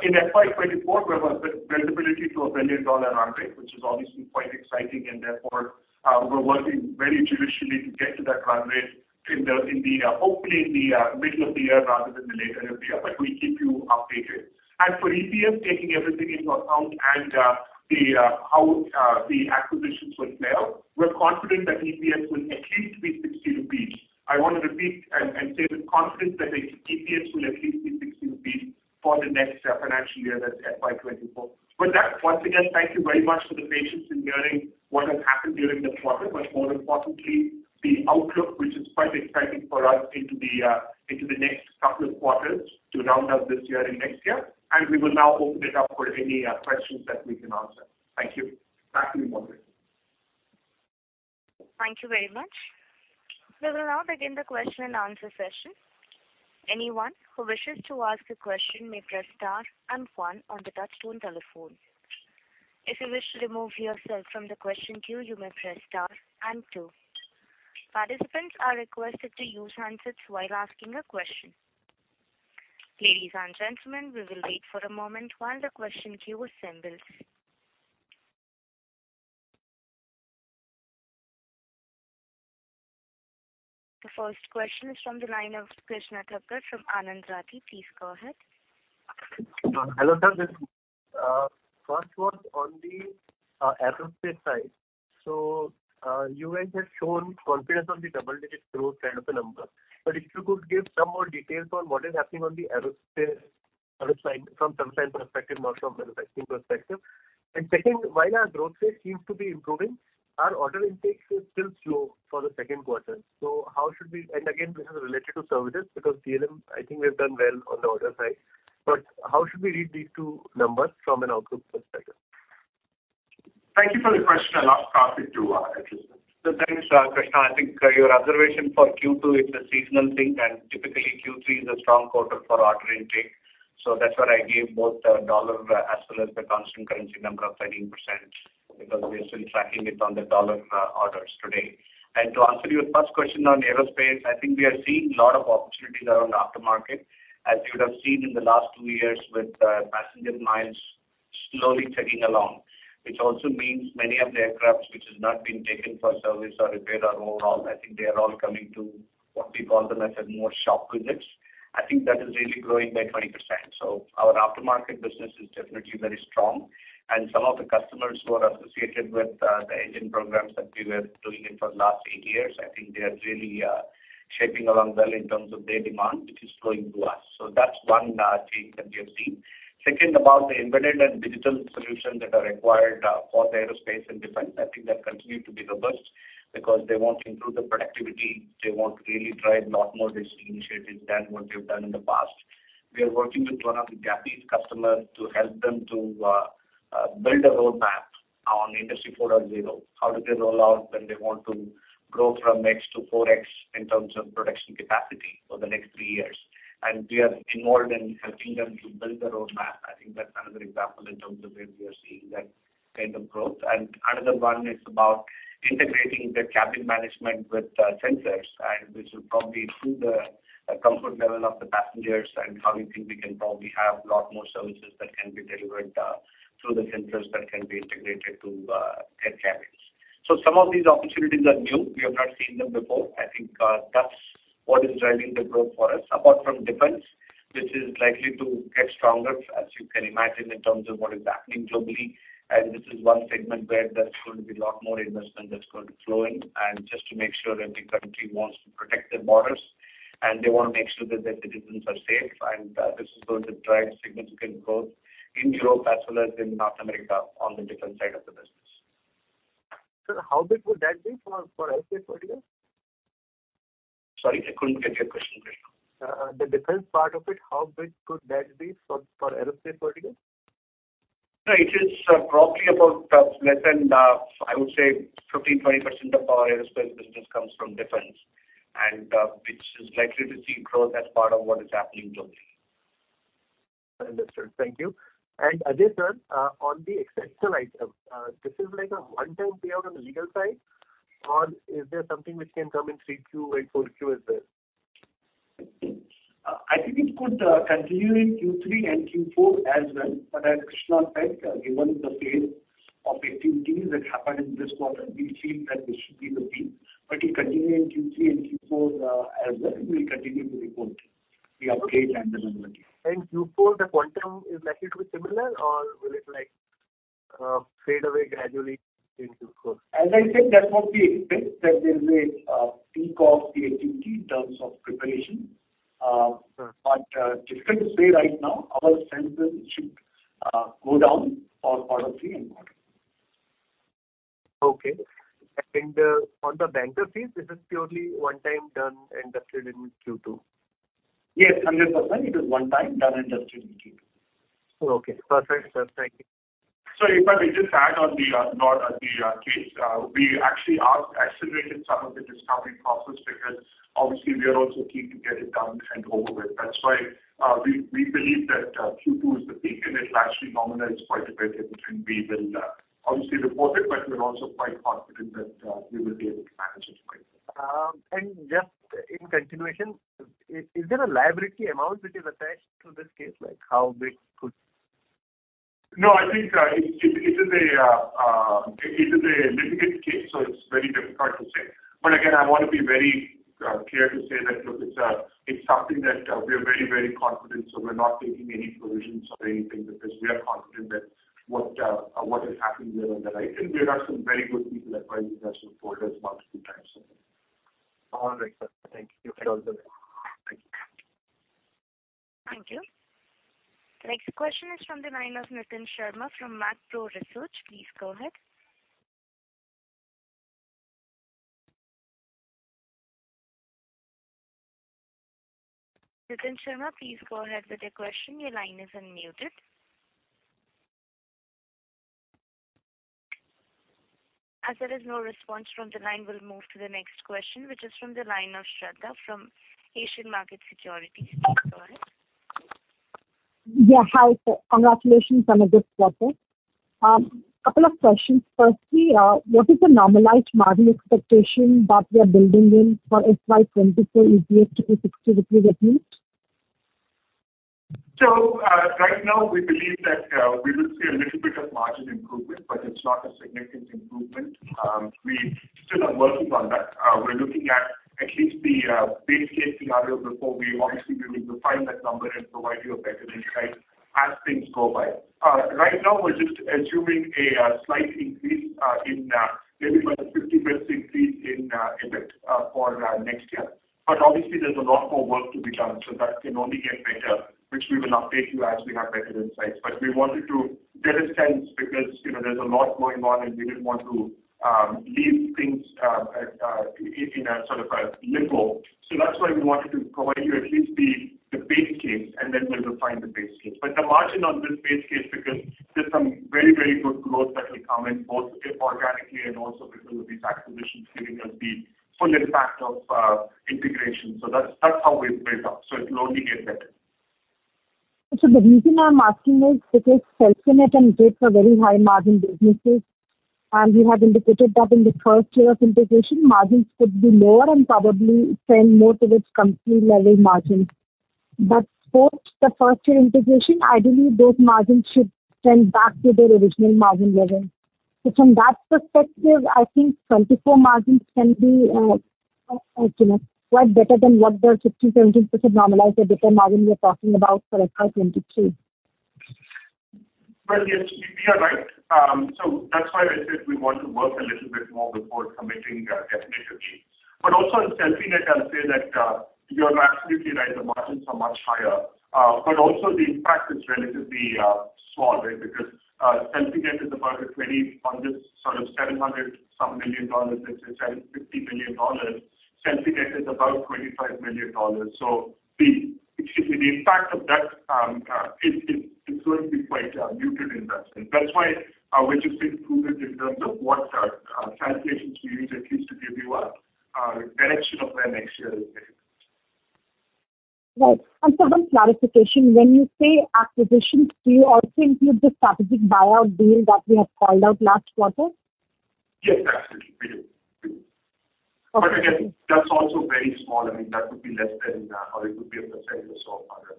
In FY 2024, we have the ability to a billion dollar run rate, which is obviously quite exciting. Therefore, we're working very judiciously to get to that run rate hopefully in the middle of the year rather than later in the year. We'll keep you updated. For EPS, taking everything into account and how the acquisitions will fare, we're confident that EPS will at least be 60 rupees. I want to repeat and say with confidence that the EPS will at least be 60 rupees for the next financial year, that's FY 2024. With that, once again, thank you very much for the patience in hearing what has happened during the quarter, but more importantly, the outlook, which is quite exciting for us into the next couple of quarters to round out this year and next year. We will now open it up for any questions that we can answer. Thank you. Back to you, Madhuri. Thank you very much. We will now begin the question and answer session. Anyone who wishes to ask a question may press star and one on the touch-tone telephone. If you wish to remove yourself from the question queue, you may press star and two. Participants are requested to use handsets while asking a question. Ladies and gentlemen, we will wait for a moment while the question queue assembles. The first question is from the line of Krishna Thakkar from Anand Rathi. Please go ahead. Hello, sir. This is first on the aerospace side. You guys have shown confidence on the double-digit growth side of the number. If you could give some more details on what is happening on the aerospace side from service side perspective, not from manufacturing perspective. Second, while our growth rate seems to be improving, our order intake is still slow for the second quarter. This is related to services because DLM. I think we've done well on the order side. How should we read these two numbers from an outlook perspective? Thank you for the question. I'll ask Karthik to address it. Thanks, Krishna. I think your observation for Q2 is a seasonal thing, and typically Q3 is a strong quarter for order intake. That's why I gave both the dollar as well as the constant currency number of 13%, because we are still tracking it on the dollar orders today. To answer your first question on aerospace, I think we are seeing a lot of opportunities around aftermarket. As you would have seen in the last two years with passenger miles slowly ticking along, which also means many of the aircrafts which has not been taken for service or repair or overall, I think they are all coming to what we call them as shop visits. I think that is really growing by 20%. Our aftermarket business is definitely very strong. Some of the customers who are associated with the engine programs that we were doing it for the last eight years, I think they are really shaping up well in terms of their demand, which is flowing to us. That's one change that we have seen. Second, about the embedded and digital solutions that are required for the aerospace and defense, I think that continue to be robust because they want to improve the productivity. They want to really drive a lot more risk initiatives than what they've done in the past. We are working with one of the Japanese customers to help them to build a roadmap on Industry 4.0. How do they roll out when they want to grow from x to 4x in terms of production capacity for the next three years? We are involved in helping them to build the roadmap. I think that's another example in terms of where we are seeing that kind of growth. Another one is about integrating the cabin management with sensors. This will probably improve the comfort level of the passengers and how we think we can probably have a lot more services that can be delivered through the sensors that can be integrated to their cabins. Some of these opportunities are new. We have not seen them before. I think that's what is driving the growth for us. Apart from defense, which is likely to get stronger, as you can imagine, in terms of what is happening globally. This is one segment where there's going to be a lot more investment that's going to flow in. Just to make sure that the country wants to protect their borders, and they want to make sure that their citizens are safe. This is going to drive significant growth in Europe as well as in North America on the defense side of the business. Sir, how big would that be for Aerospace vertical? Sorry, I couldn't get your question, please. The defense part of it, how big could that be for Aerospace vertical? No, it is probably about less than I would say 15-20% of our aerospace business comes from defense. Which is likely to see growth as part of what is happening globally. Understood. Thank you. Ajay sir, on the exceptional item, this is like a one-time payout on the legal side or is there something which can come in 3Q and 4Q as well? I think it could continue in Q3 and Q4 as well. As Krishna said, given the phase of activities that happened in this quarter, we feel that this should be the peak. It continue in Q3 and Q4 as well, we'll continue to report the update and the number here. Q4, the quantum is likely to be similar or will it like fade away gradually into fourth? As I said, that was the extent that there is a peak of the activity in terms of preparation. Sure. Difficult to say right now, our sales should go down for quarter three and four. Okay. On the banker fees, this is purely one time done and dusted in Q2? Yes, 100%. It is one time done and dusted in Q2. Okay, perfect sir. Thank you. If I may just add. Not the case. We actually are accelerating some of the discovery process because obviously we are also keen to get it done and over with. That's why we believe that Q2 is the peak and it'll actually normalize quite a bit in between. We will obviously report it, but we're also quite confident that we will be able to manage it quite well. Just in continuation, is there a liability amount which is attached to this case? Like how big could it be? No, I think it is a litigated case, so it's very difficult to say. Again, I wanna be very clear to say that, look, it's something that we are very, very confident, so we're not taking any provisions or anything because we are confident that what is happening here on the right. We have some very good people advising us and support us multiple times. All right, sir. Thank you wish you all the best. You're welcome. Thank you. Next question is from the line of Nitin Sharma from Macquarie Research. Please go ahead. Nitin Sharma, please go ahead with your question. Your line is unmuted. As there is no response from the line, we'll move to the next question, which is from the line of Shraddha from Asian Market Securities. Please go ahead. Yeah. Hi, sir. Congratulations on a good quarter. Couple of questions. Firstly, what is the normalized margin expectation that we are building in for FY 2024 EPS to be INR 63? Right now we believe that we will see a little bit of margin improvement, but it's not a significant improvement. We still are working on that. We're looking at least the base case scenario before we obviously will refine that number and provide you a better insight. As things go by. Right now we're just assuming a slight increase in maybe like a 50 basis points increase in EBIT for next year. But obviously there's a lot more work to be done, so that can only get better, which we will update you as we have better insights. But we wanted to get a sense because, you know, there's a lot going on, and we didn't want to leave things in a sort of limbo. That's why we wanted to provide you at least the base case, and then we'll refine the base case. The margin on this base case, because there's some very good growth that will come in, both organically and also because of these acquisitions giving us the full impact of integration. That's how we've built up, so it'll only get better. The reason I'm asking is because Celfinet and Citec are very high margin businesses, and you have indicated that in the first year of integration, margins could be lower and probably trend more towards company level margin. Post the first year integration, ideally those margins should trend back to their original margin levels. From that perspective, I think 2024 margins can be quite better than what the 15%-17% normalized EBITDA margin you're talking about for FY 2023? Yes, we are right. That's why I said we want to work a little bit more before committing definitively. Also in Celfinet, I'll say that you are absolutely right, the margins are much higher. Also the impact is relatively small, right? Because Celfinet is about 20 on this sort of $700-some million. Let's say $750 million. Celfinet is about $25 million. The impact of that is going to be quite muted in that sense. That's why we're just being prudent in terms of what calculations we use at least to give you a direction of where next year is headed. Right. For one clarification, when you say acquisitions, do you also include the strategic buyout deal that we have called out last quarter? Yes, absolutely. We do. Okay. Again, that's also very small. I mean, that would be less than or it could be a percentage or so of other.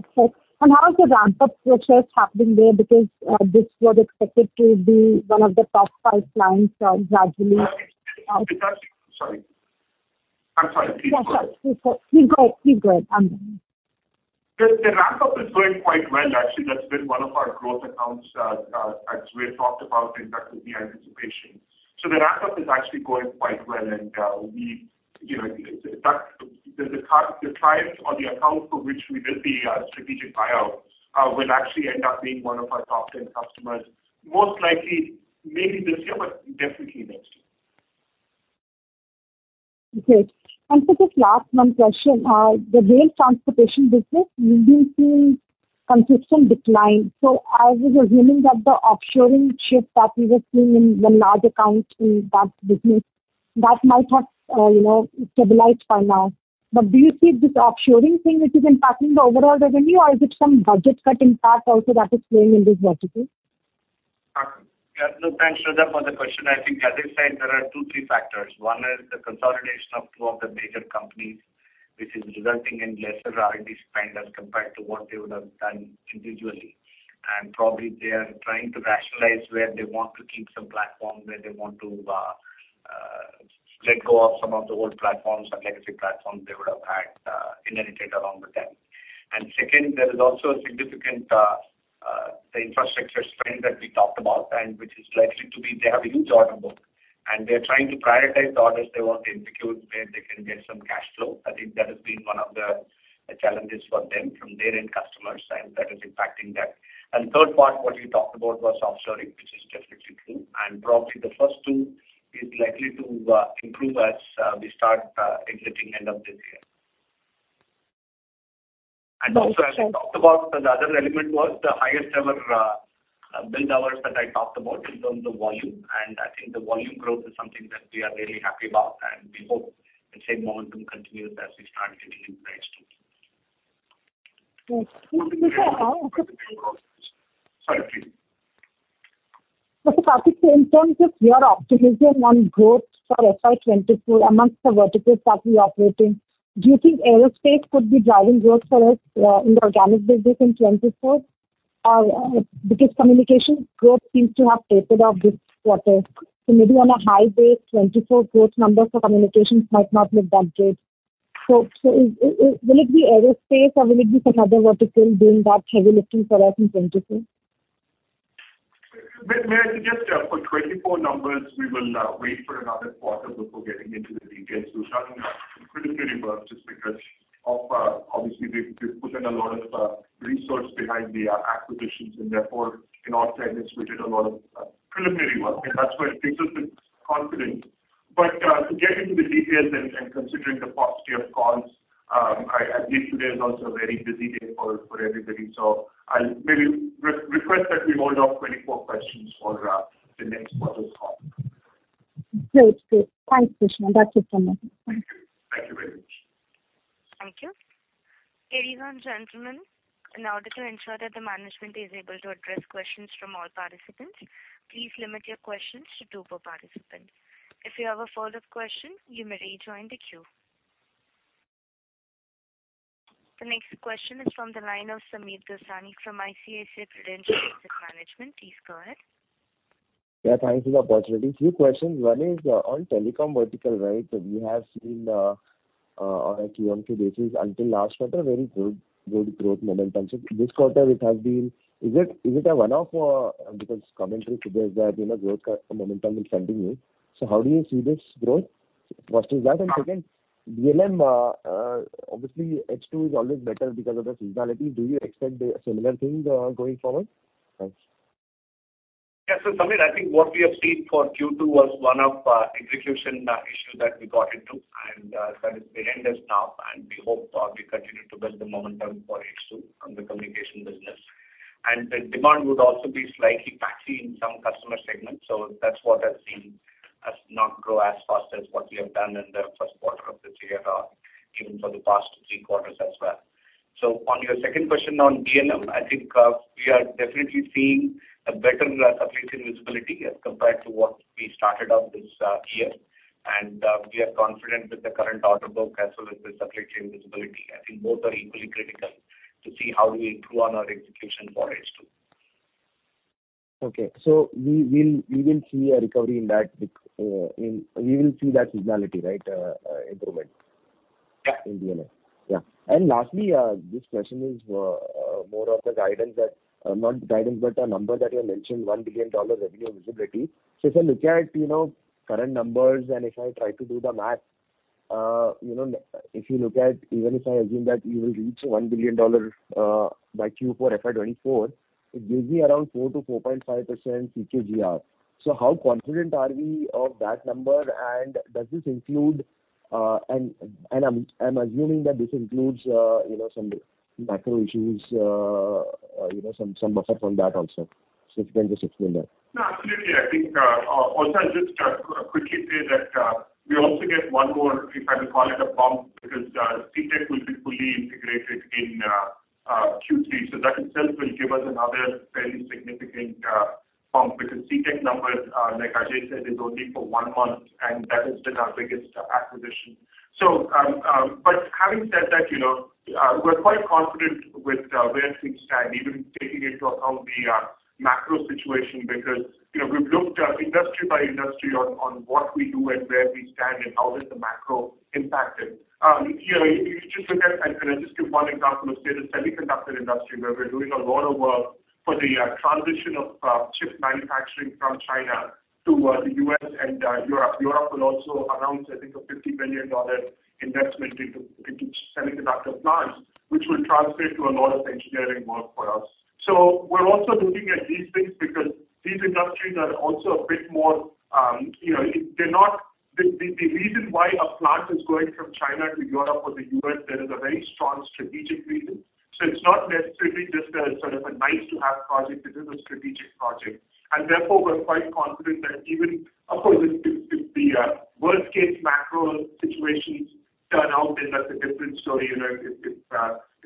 Right. How is the ramp-up purchase happening there? Because this was expected to be one of the top five clients gradually. Sorry. I'm sorry. Please go ahead. Yeah. Please go ahead. I'm done. The ramp-up is going quite well. Actually, that's been one of our growth accounts, as we had talked about, and that was the anticipation. The ramp-up is actually going quite well, and we, you know, that's the client or the account for which we did the strategic buyout, will actually end up being one of our top 10 customers, most likely maybe this year, but definitely next year. Okay. Just last one question. The rail transportation business, we've been seeing consistent decline. I was assuming that the offshoring shift that we were seeing in one large account in that business, that might have, you know, stabilized by now. Do you see this offshoring thing which is impacting the overall revenue or is it some budget cutting part also that is playing in this vertical? Yeah, look, thanks, Shraddha, for the question. I think as I said, there are two, three factors. One is the consolidation of two of the major companies which is resulting in lesser IT spend as compared to what they would have done individually. Probably they are trying to rationalize where they want to keep some platform, where they want to let go of some of the old platforms or legacy platforms they would have had inherited along with them. Second, there is also a significant the infrastructure spend that we talked about and which is likely to be. They have a huge order book, and they're trying to prioritize the orders they want to execute where they can get some cash flow. I think that has been one of the challenges for them from their end customers, and that is impacting that. Third part, what you talked about was offshoring, which is definitely true. Probably the first two is likely to improve as we start exiting end of this year. Also, as I talked about, the other element was the highest ever billed hours that I talked about in terms of volume. I think the volume growth is something that we are really happy about, and we hope the same momentum continues as we start getting into next year. Okay. Sorry, please. Karthik, in terms of your optimism on growth for FY 2024 among the verticals that we operate in, do you think aerospace could be driving growth for us in the organic business in 2024? Or, because communications growth seems to have tapered off this quarter, maybe on a high base, 2024 growth numbers for communications might not look that great. Will it be aerospace or will it be some other vertical doing that heavy lifting for us in 2024? May, may I suggest for 2024 numbers, we will wait for another quarter before getting into the details. We've done some preliminary work just because of obviously we've put in a lot of resource behind the acquisitions and therefore in our intent we did a lot of preliminary work, and that's where it gives us the confidence. To get into the details and considering the paucity of calls, I believe today is also a very busy day for everybody. I'll maybe re-request that we hold off 2024 questions for the next quarter's call. Great. Thanks, Krishna. That's it from my end. Thank you. Thank you very much. Thank you. Ladies and gentlemen, in order to ensure that the management is able to address questions from all participants, please limit your questions to two per participant. If you have a follow-up question, you may rejoin the queue. The next question is from the line of Sameer Dosani from ICICI Prudential Asset Management. Please go ahead. Yeah, thanks for the opportunity. Few questions. One is on telecom vertical, right? We have seen on a Q-on-Q basis until last quarter, very good growth momentum. So this quarter it has been. Is it a one-off? Because commentary suggests that, you know, growth momentum will continue. So how do you see this growth? First is that. Second, DLM, obviously H2 is always better because of the seasonality. Do you expect a similar thing going forward? Thanks. Yeah. Sameer, I think what we have seen for Q2 was one of execution issue that we got into and that is behind us now, and we hope we continue to build the momentum for H2 on the communication business. The demand would also be slightly patchy in some customer segments, so that's what has not grown as fast as what we have done in the first quarter of this year, even for the past three quarters as well. On your second question on DLM, I think we are definitely seeing a better supply chain visibility as compared to what we started off this year. We are confident with the current order book as well as the supply chain visibility. I think both are equally critical to see how do we improve on our execution for H2. Okay. We will see a recovery in that. We will see that finality, right, improvement. Yeah. In DLM. Yeah. Lastly, this question is more of the guidance that, not guidance, but a number that you mentioned, $1 billion revenue visibility. If I look at, you know, current numbers and if I try to do the math, you know, if you look at, even if I assume that you will reach $1 billion, by Q4 FY 2024, it gives me around 4%-4.5% CAGR. How confident are we of that number? Does this include, and I'm assuming that this includes, you know, some macro issues, you know, some buffer from that also. If you can just explain that. No, absolutely. I think, also I'll just, quickly say that, we also get one more, if I may call it a bump, because, Citec will be fully integrated in, Q3. That itself will give us another fairly significant, bump because Citec numbers, like Ajay said, is only for one month, and that has been our biggest acquisition. But having said that, you know, we're quite confident with, where things stand, even taking into account the, macro situation because, you know, we've looked at industry by industry on what we do and where we stand and how does the macro impact it. You know, if you just look at, and can I just give one example of, say, the semiconductor industry, where we're doing a lot of work for the transition of chip manufacturing from China to the U.S. and Europe. Europe will also announce, I think, a $50 billion investment into semiconductor plants, which will translate to a lot of engineering work for us. We're also looking at these things because these industries are also a bit more, you know, they're not. The reason why a plant is going from China to Europe or the U.S., there is a very strong strategic reason. It's not necessarily just a sort of a nice to have project. This is a strategic project. Therefore we're quite confident that even. Of course, if the worst case macro situations turn out, then that's a different story. You know, if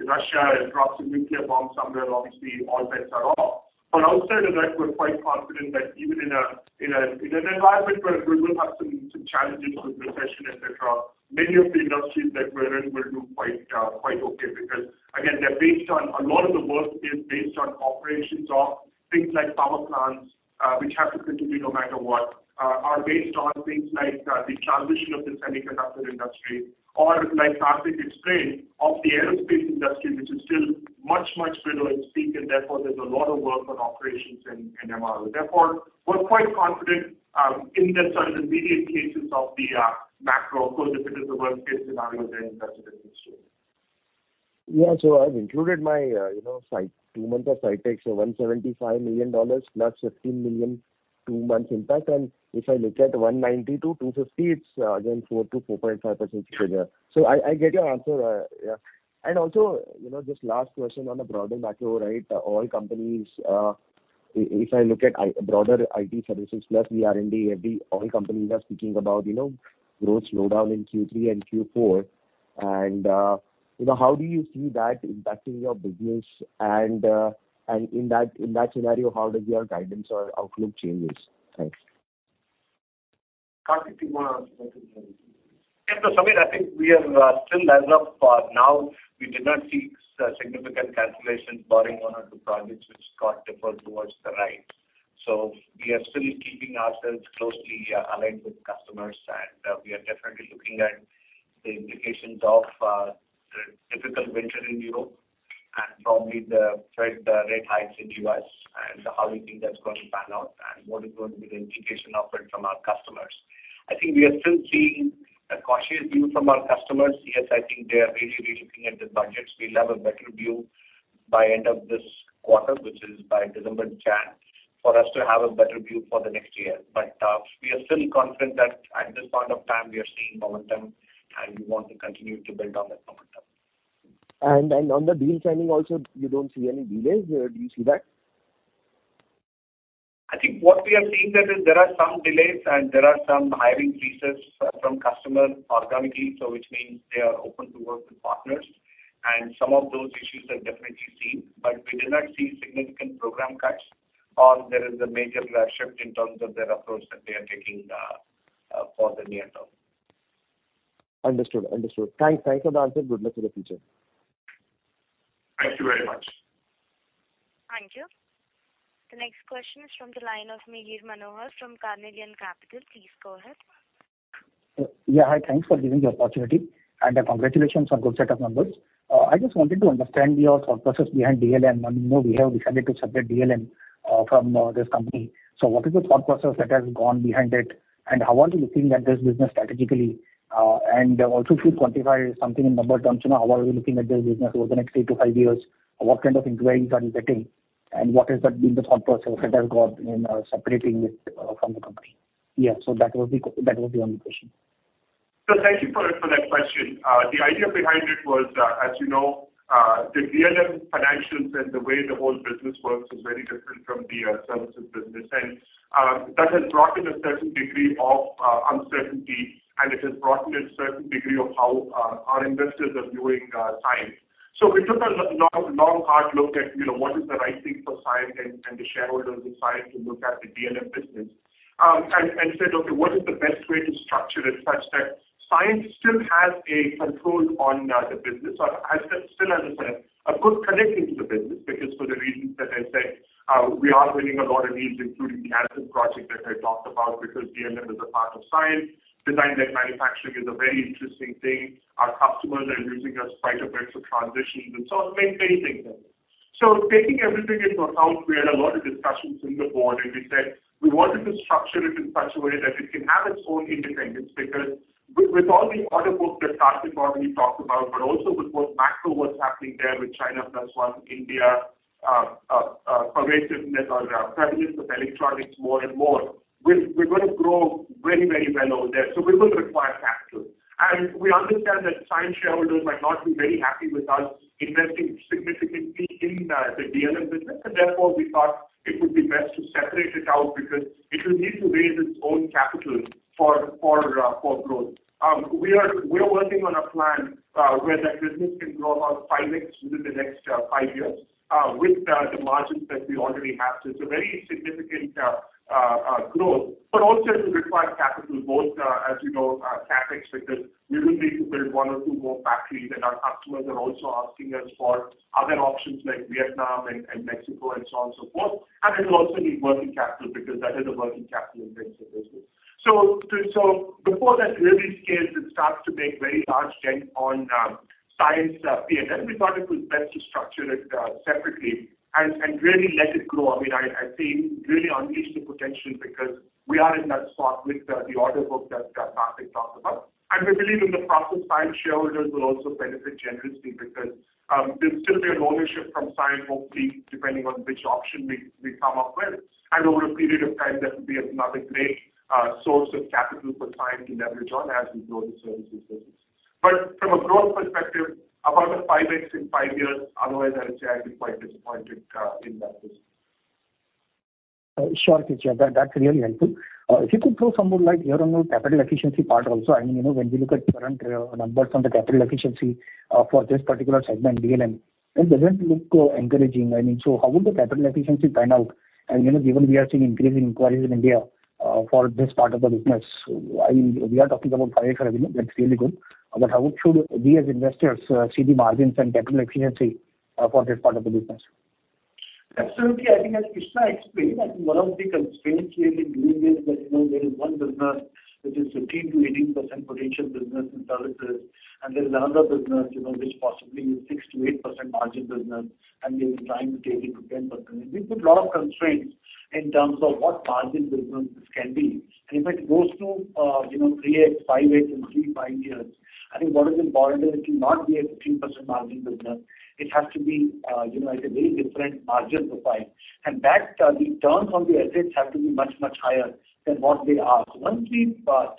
Russia drops a nuclear bomb somewhere, obviously all bets are off. Outside of that, we're quite confident that even in an environment where we will have some challenges with recession, et cetera, many of the industries that we're in will do quite okay because again they're based on. A lot of the work is based on operations of things like power plants, which have to continue no matter what, are based on things like the transition of the semiconductor industry or like Karthik explained of the aerospace industry which is still much bigger in size and therefore there's a lot of work on operations and MRO. Therefore we're quite confident in the sort of immediate cases of the macro. Of course, if it is a worst case scenario then that's a different story. Yeah. I've included my two months of Citec's, so $175 million plus $15 million two months impact. If I look at $190-$250, it's again 4%-4.5% CAGR. I get your answer. Yeah. Also, just last question on the broader macro, right? If I look at broader IT services plus the R&D, FD, all companies are speaking about growth slowdown in Q3 and Q4. How do you see that impacting your business? In that scenario, how does your guidance or outlook changes? Thanks. Karthik, do you wanna answer that as well? Yeah. Sameer, I think we are still lined up for now. We did not see significant cancellations barring one or two projects which got deferred towards the right. We are still keeping ourselves closely aligned with customers, and we are definitely looking at the implications of the difficult winter in Europe and probably the Fed rate hikes in U.S. and how we think that's going to pan out and what is going to be the implication of it from our customers. I think we are still seeing a cautious view from our customers. Yes, I think they are really looking at the budgets. We'll have a better view by end of this quarter, which is by December, January, for us to have a better view for the next year. We are still confident that at this point of time we are seeing momentum and we want to continue to build on that momentum. On the deal signing also you don't see any delays. Do you see that? I think what we have seen is that there are some delays and there are some hiring freezes from customers organically, so which means they are open to work with partners and some of those issues are definitely seen, but we did not see significant program cuts or a major shift in terms of their approach that they are taking for the near term. Understood. Thanks for the answer. Good luck for the future. Thank you very much. Thank you. The next question is from the line of Mihir Manohar from Carnelian Capital. Please go ahead. Yeah. Hi. Thanks for giving the opportunity, and, congratulations on good set of numbers. I just wanted to understand your thought process behind DLM. I mean, you know, we have decided to separate DLM from this company. So what is the thought process that has gone behind it, and how are you looking at this business strategically? And also if you quantify something in number terms, you know, how are we looking at this business over the next three to five years? What kind of inquiries are you getting, and what is the thought process that has gone in separating it from the company? Yeah. So that was the only question. Thank you for that question. The idea behind it was, as you know, the DLM financials and the way the whole business works is very different from the services business. That has brought in a certain degree of uncertainty, and it has brought in a certain degree of how our investors are viewing Cyient. We took a long, hard look at, you know, what is the right thing for Cyient and the shareholders of Cyient to look at the DLM business. said, "Okay, what is the best way to structure it such that Cyient still has a control on the business? Or has a good connection to the business," because for the reasons that I said, we are winning a lot of leads, including the aerospace project that I talked about, because DLM is a part of Cyient. Design-led manufacturing is a very interesting thing. Our customers are using us quite a bit for transitions and so on, many things there. Taking everything into account, we had a lot of discussions in the board, and we said we wanted to structure it in such a way that it can have its own independence because with all the order book that Karthik already talked about, but also with the macro, what's happening there with China plus one, India, pervasiveness or presence of electronics more and more, we're gonna grow very, very well over there. We will require capital. We understand that existing shareholders might not be very happy with us investing significantly in the DLM business, and therefore we thought it would be best to separate it out because it will need to raise its own capital for growth. We are working on a plan where that business can grow about 5x within the next five years with the margins that we already have. It's a very significant growth, but also it will require capital both, as you know, CapEx, because we will need to build one or two more factories, and our customers are also asking us for other options like Vietnam and Mexico and so on and so forth. It will also need working capital because that is a working capital-intensive business. Before that really scales and starts to make very large dent on the P&L, we thought it was best to structure it separately and really let it grow. I mean, I think really unleash the potential because we are in that spot with the order book that Karthik talked about. We believe in the process, Cyient shareholders will also benefit generously because there'll still be an ownership from Cyient, hopefully, depending on which option we come up with. Over a period of time, that will be another great source of capital for Cyient to leverage on as we grow the services business. From a growth perspective, about a 5x in five years, otherwise I would say I'd be quite disappointed in that business. Sure, Krishna Bodanapu. That's really helpful. If you could throw some more light here on your capital efficiency part also. I mean, you know, when we look at current numbers on the capital efficiency for this particular segment, DLM, it doesn't look encouraging. I mean, how would the capital efficiency pan out? You know, given we are seeing increasing inquiries in India for this part of the business, I mean, we are talking about 5x revenue, that's really good. How should we as investors see the margins and capital efficiency for this part of the business? Absolutely. I think as Krishna explained, one of the constraints really doing this is that, you know, there is one business which is 15%-18% potential business in services, and there's another business, you know, which possibly is 6%-8% margin business, and we're trying to take it to 10%. I mean, we put a lot of constraints in terms of what margin business this can be. If it goes to, you know, 3x, 5x in three to five years, I think what is important is it will not be a 15% margin business. It has to be, you know, at a very different margin profile. That, the returns on the assets have to be much, much higher than what they are. Once we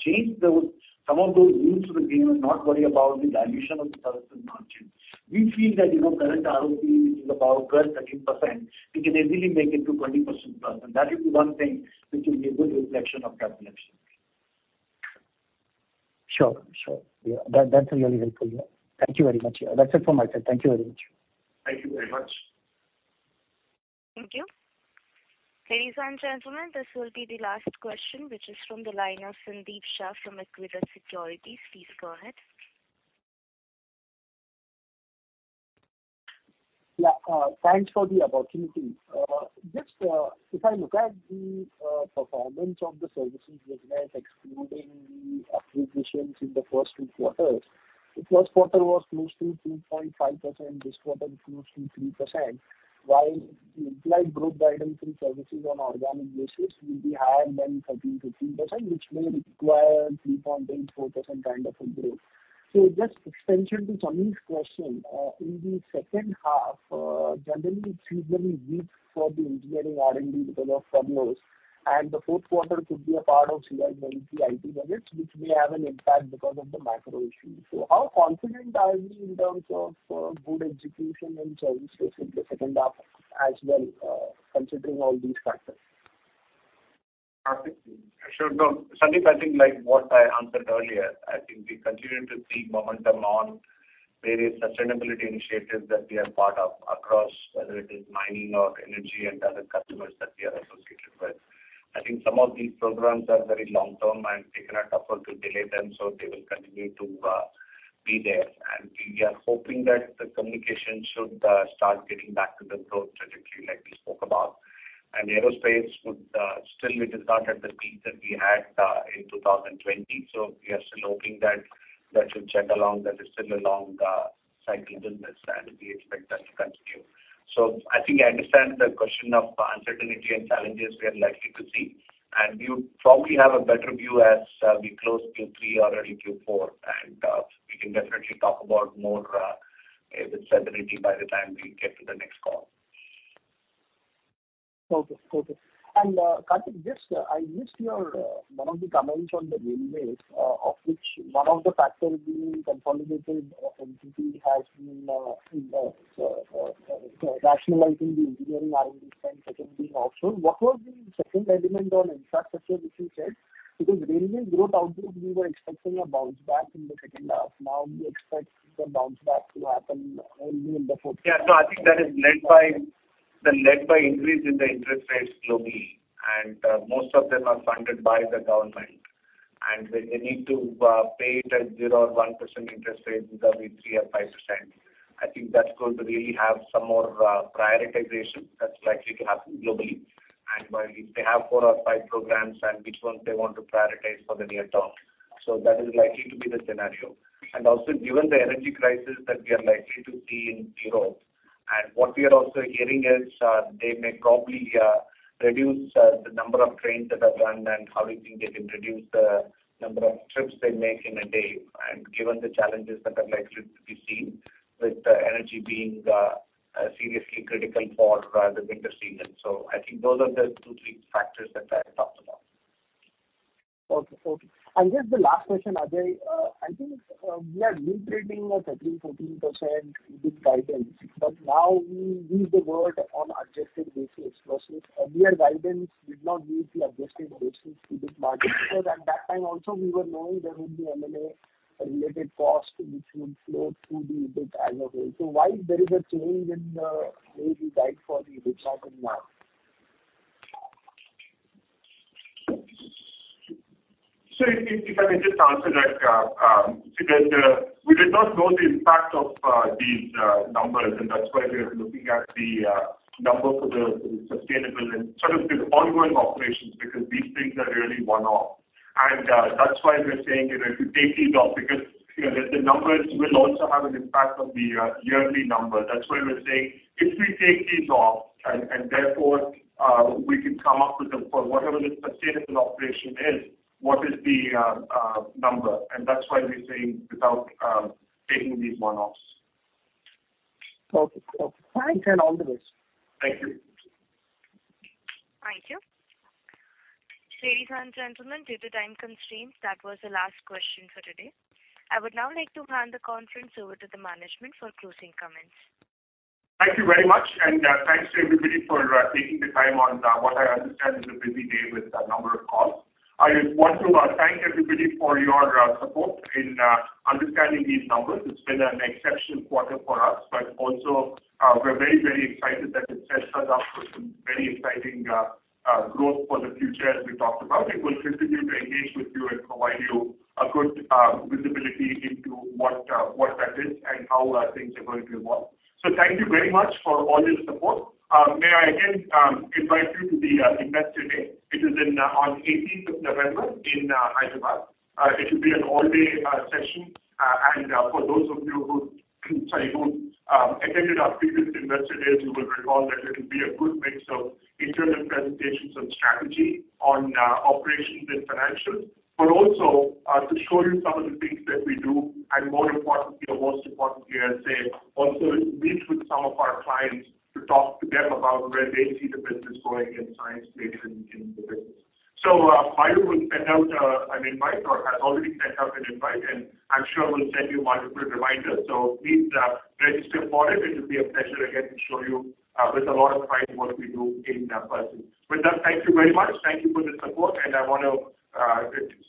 change those, some of those rules of the game and not worry about the dilution of the services margin, we feel that, you know, current ROE, which is about 12%-13%, we can easily make it to 20% plus. That is the one thing which will be a good reflection of capital efficiency. Sure. Yeah. That's really helpful, yeah. Thank you very much. Yeah. That's it from my side. Thank you very much. Thank you very much. Thank you. Ladies and gentlemen, this will be the last question, which is from the line of Sandeep Shah from Equitas Securities. Please go ahead. Yeah. Thanks for the opportunity. Just, if I look at the performance of the services business excluding the acquisitions in the first two quarters, the first quarter was close to 2.5%, this quarter close to 3%. While the implied growth guidance in services on organic basis will be higher than 13%-13%, which may require 3.84% kind of a growth. Just extension to Sunil's question. In the second half, generally it's usually weak for the engineering R&D because of furloughs, and the fourth quarter could be a part of 2020 IT budgets, which may have an impact because of the macro issues. How confident are we in terms of good execution in services in the second half as well, considering all these factors? Karthik? Sure. No, Sandeep, I think like what I answered earlier, I think we continue to see momentum on various sustainability initiatives that we are part of across, whether it is mining or energy and other customers that we are associated with. I think some of these programs are very long term, and they cannot afford to delay them, so they will continue to be there. We are hoping that the communication should start getting back to the growth trajectory like we spoke about. Aerospace would still it is not at the peak that we had in 2020. We are still hoping that that should chug along. That is still a long cycle business, and we expect that to continue. I think I understand the question of uncertainty and challenges we are likely to see, and you probably have a better view as we close Q3 or Q4, and we can definitely talk about more with certainty by the time we get to the next call. Okay, Karthik, just, I missed one of your comments on the railways, of which one of the factors being consolidation of entities has been rationalizing the engineering R&D spend, second being offshore. What was the second element on infrastructure which you said? Because railway growth outlook, we were expecting a bounce back in the second half. Now we expect the bounce back to happen only in the fourth. Yeah. I think that is led by increase in the interest rates globally, and most of them are funded by the government. They need to pay it at 0% or 1% interest rates instead of 3% or 5%. I think that's going to really have some more prioritization that's likely to happen globally. While if they have four or five programs and which ones they want to prioritize for the near term. That is likely to be the scenario. Also given the energy crisis that we are likely to see in Europe, and what we are also hearing is, they may probably reduce the number of trains that are run and how you think they can reduce the number of trips they make in a day. Given the challenges that are likely to be seen with energy being seriously critical for the winter season. I think those are the two, three factors that I talked about. Just the last question, Ajay. I think we are maintaining a 13%-14% EBIT guidance, but now we use the word on adjusted basis versus earlier guidance did not use the adjusted basis EBIT margin because at that time also we were knowing there would be M&A related costs which would flow through the EBIT as well. Why there is a change in the way we guide for the EBIT margin now? If I may just answer that, because we did not know the impact of these numbers, and that's why we are looking at the number for the sustainable and sort of the ongoing operations, because these things are really one-off. That's why we're saying, you know, if you take these off because, you know, the numbers will also have an impact on the yearly number. That's why we're saying if we take these off and therefore we can come up with the, for whatever the sustainable operation is, what is the number. That's why we're saying without taking these one-offs. Okay. Thanks, and all the best. Thank you. Thank you. Ladies and gentlemen, due to time constraints, that was the last question for today. I would now like to hand the conference over to the management for closing comments. Thank you very much, and thanks to everybody for taking the time on what I understand is a busy day with a number of calls. I want to thank everybody for your support in understanding these numbers. It's been an exceptional quarter for us, but also, we're very, very excited that it sets us up for some very exciting growth for the future, as we talked about. We will continue to engage with you and provide you a good visibility into what that is and how things are going to evolve. Thank you very much for all your support. May I again invite you to the Investor Day. It is on eighteenth of November in Hyderabad. It will be an all-day session. For those of you who attended our previous Investor Days, you will recall that it'll be a good mix of internal presentations on strategy, on operations and financials. Also, to show you some of the things that we do, and more importantly, or most importantly, I'd say, also meet with some of our clients to talk to them about where they see the business going and science making in the business. Mayur will send out an invite or has already sent out an invite, and I'm sure we'll send you multiple reminders. Please register for it. It will be a pleasure again to show you with a lot of pride what we do in person. With that, thank you very much. Thank you for the support. I want to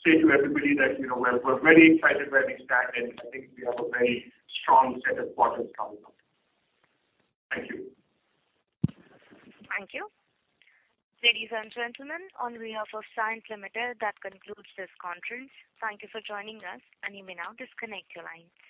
say to everybody that, you know, we're very excited where we stand, and I think we have a very strong set of quarters coming up. Thank you. Thank you. Ladies and gentlemen, on behalf of Cyient Limited, that concludes this conference. Thank you for joining us, and you may now disconnect your lines.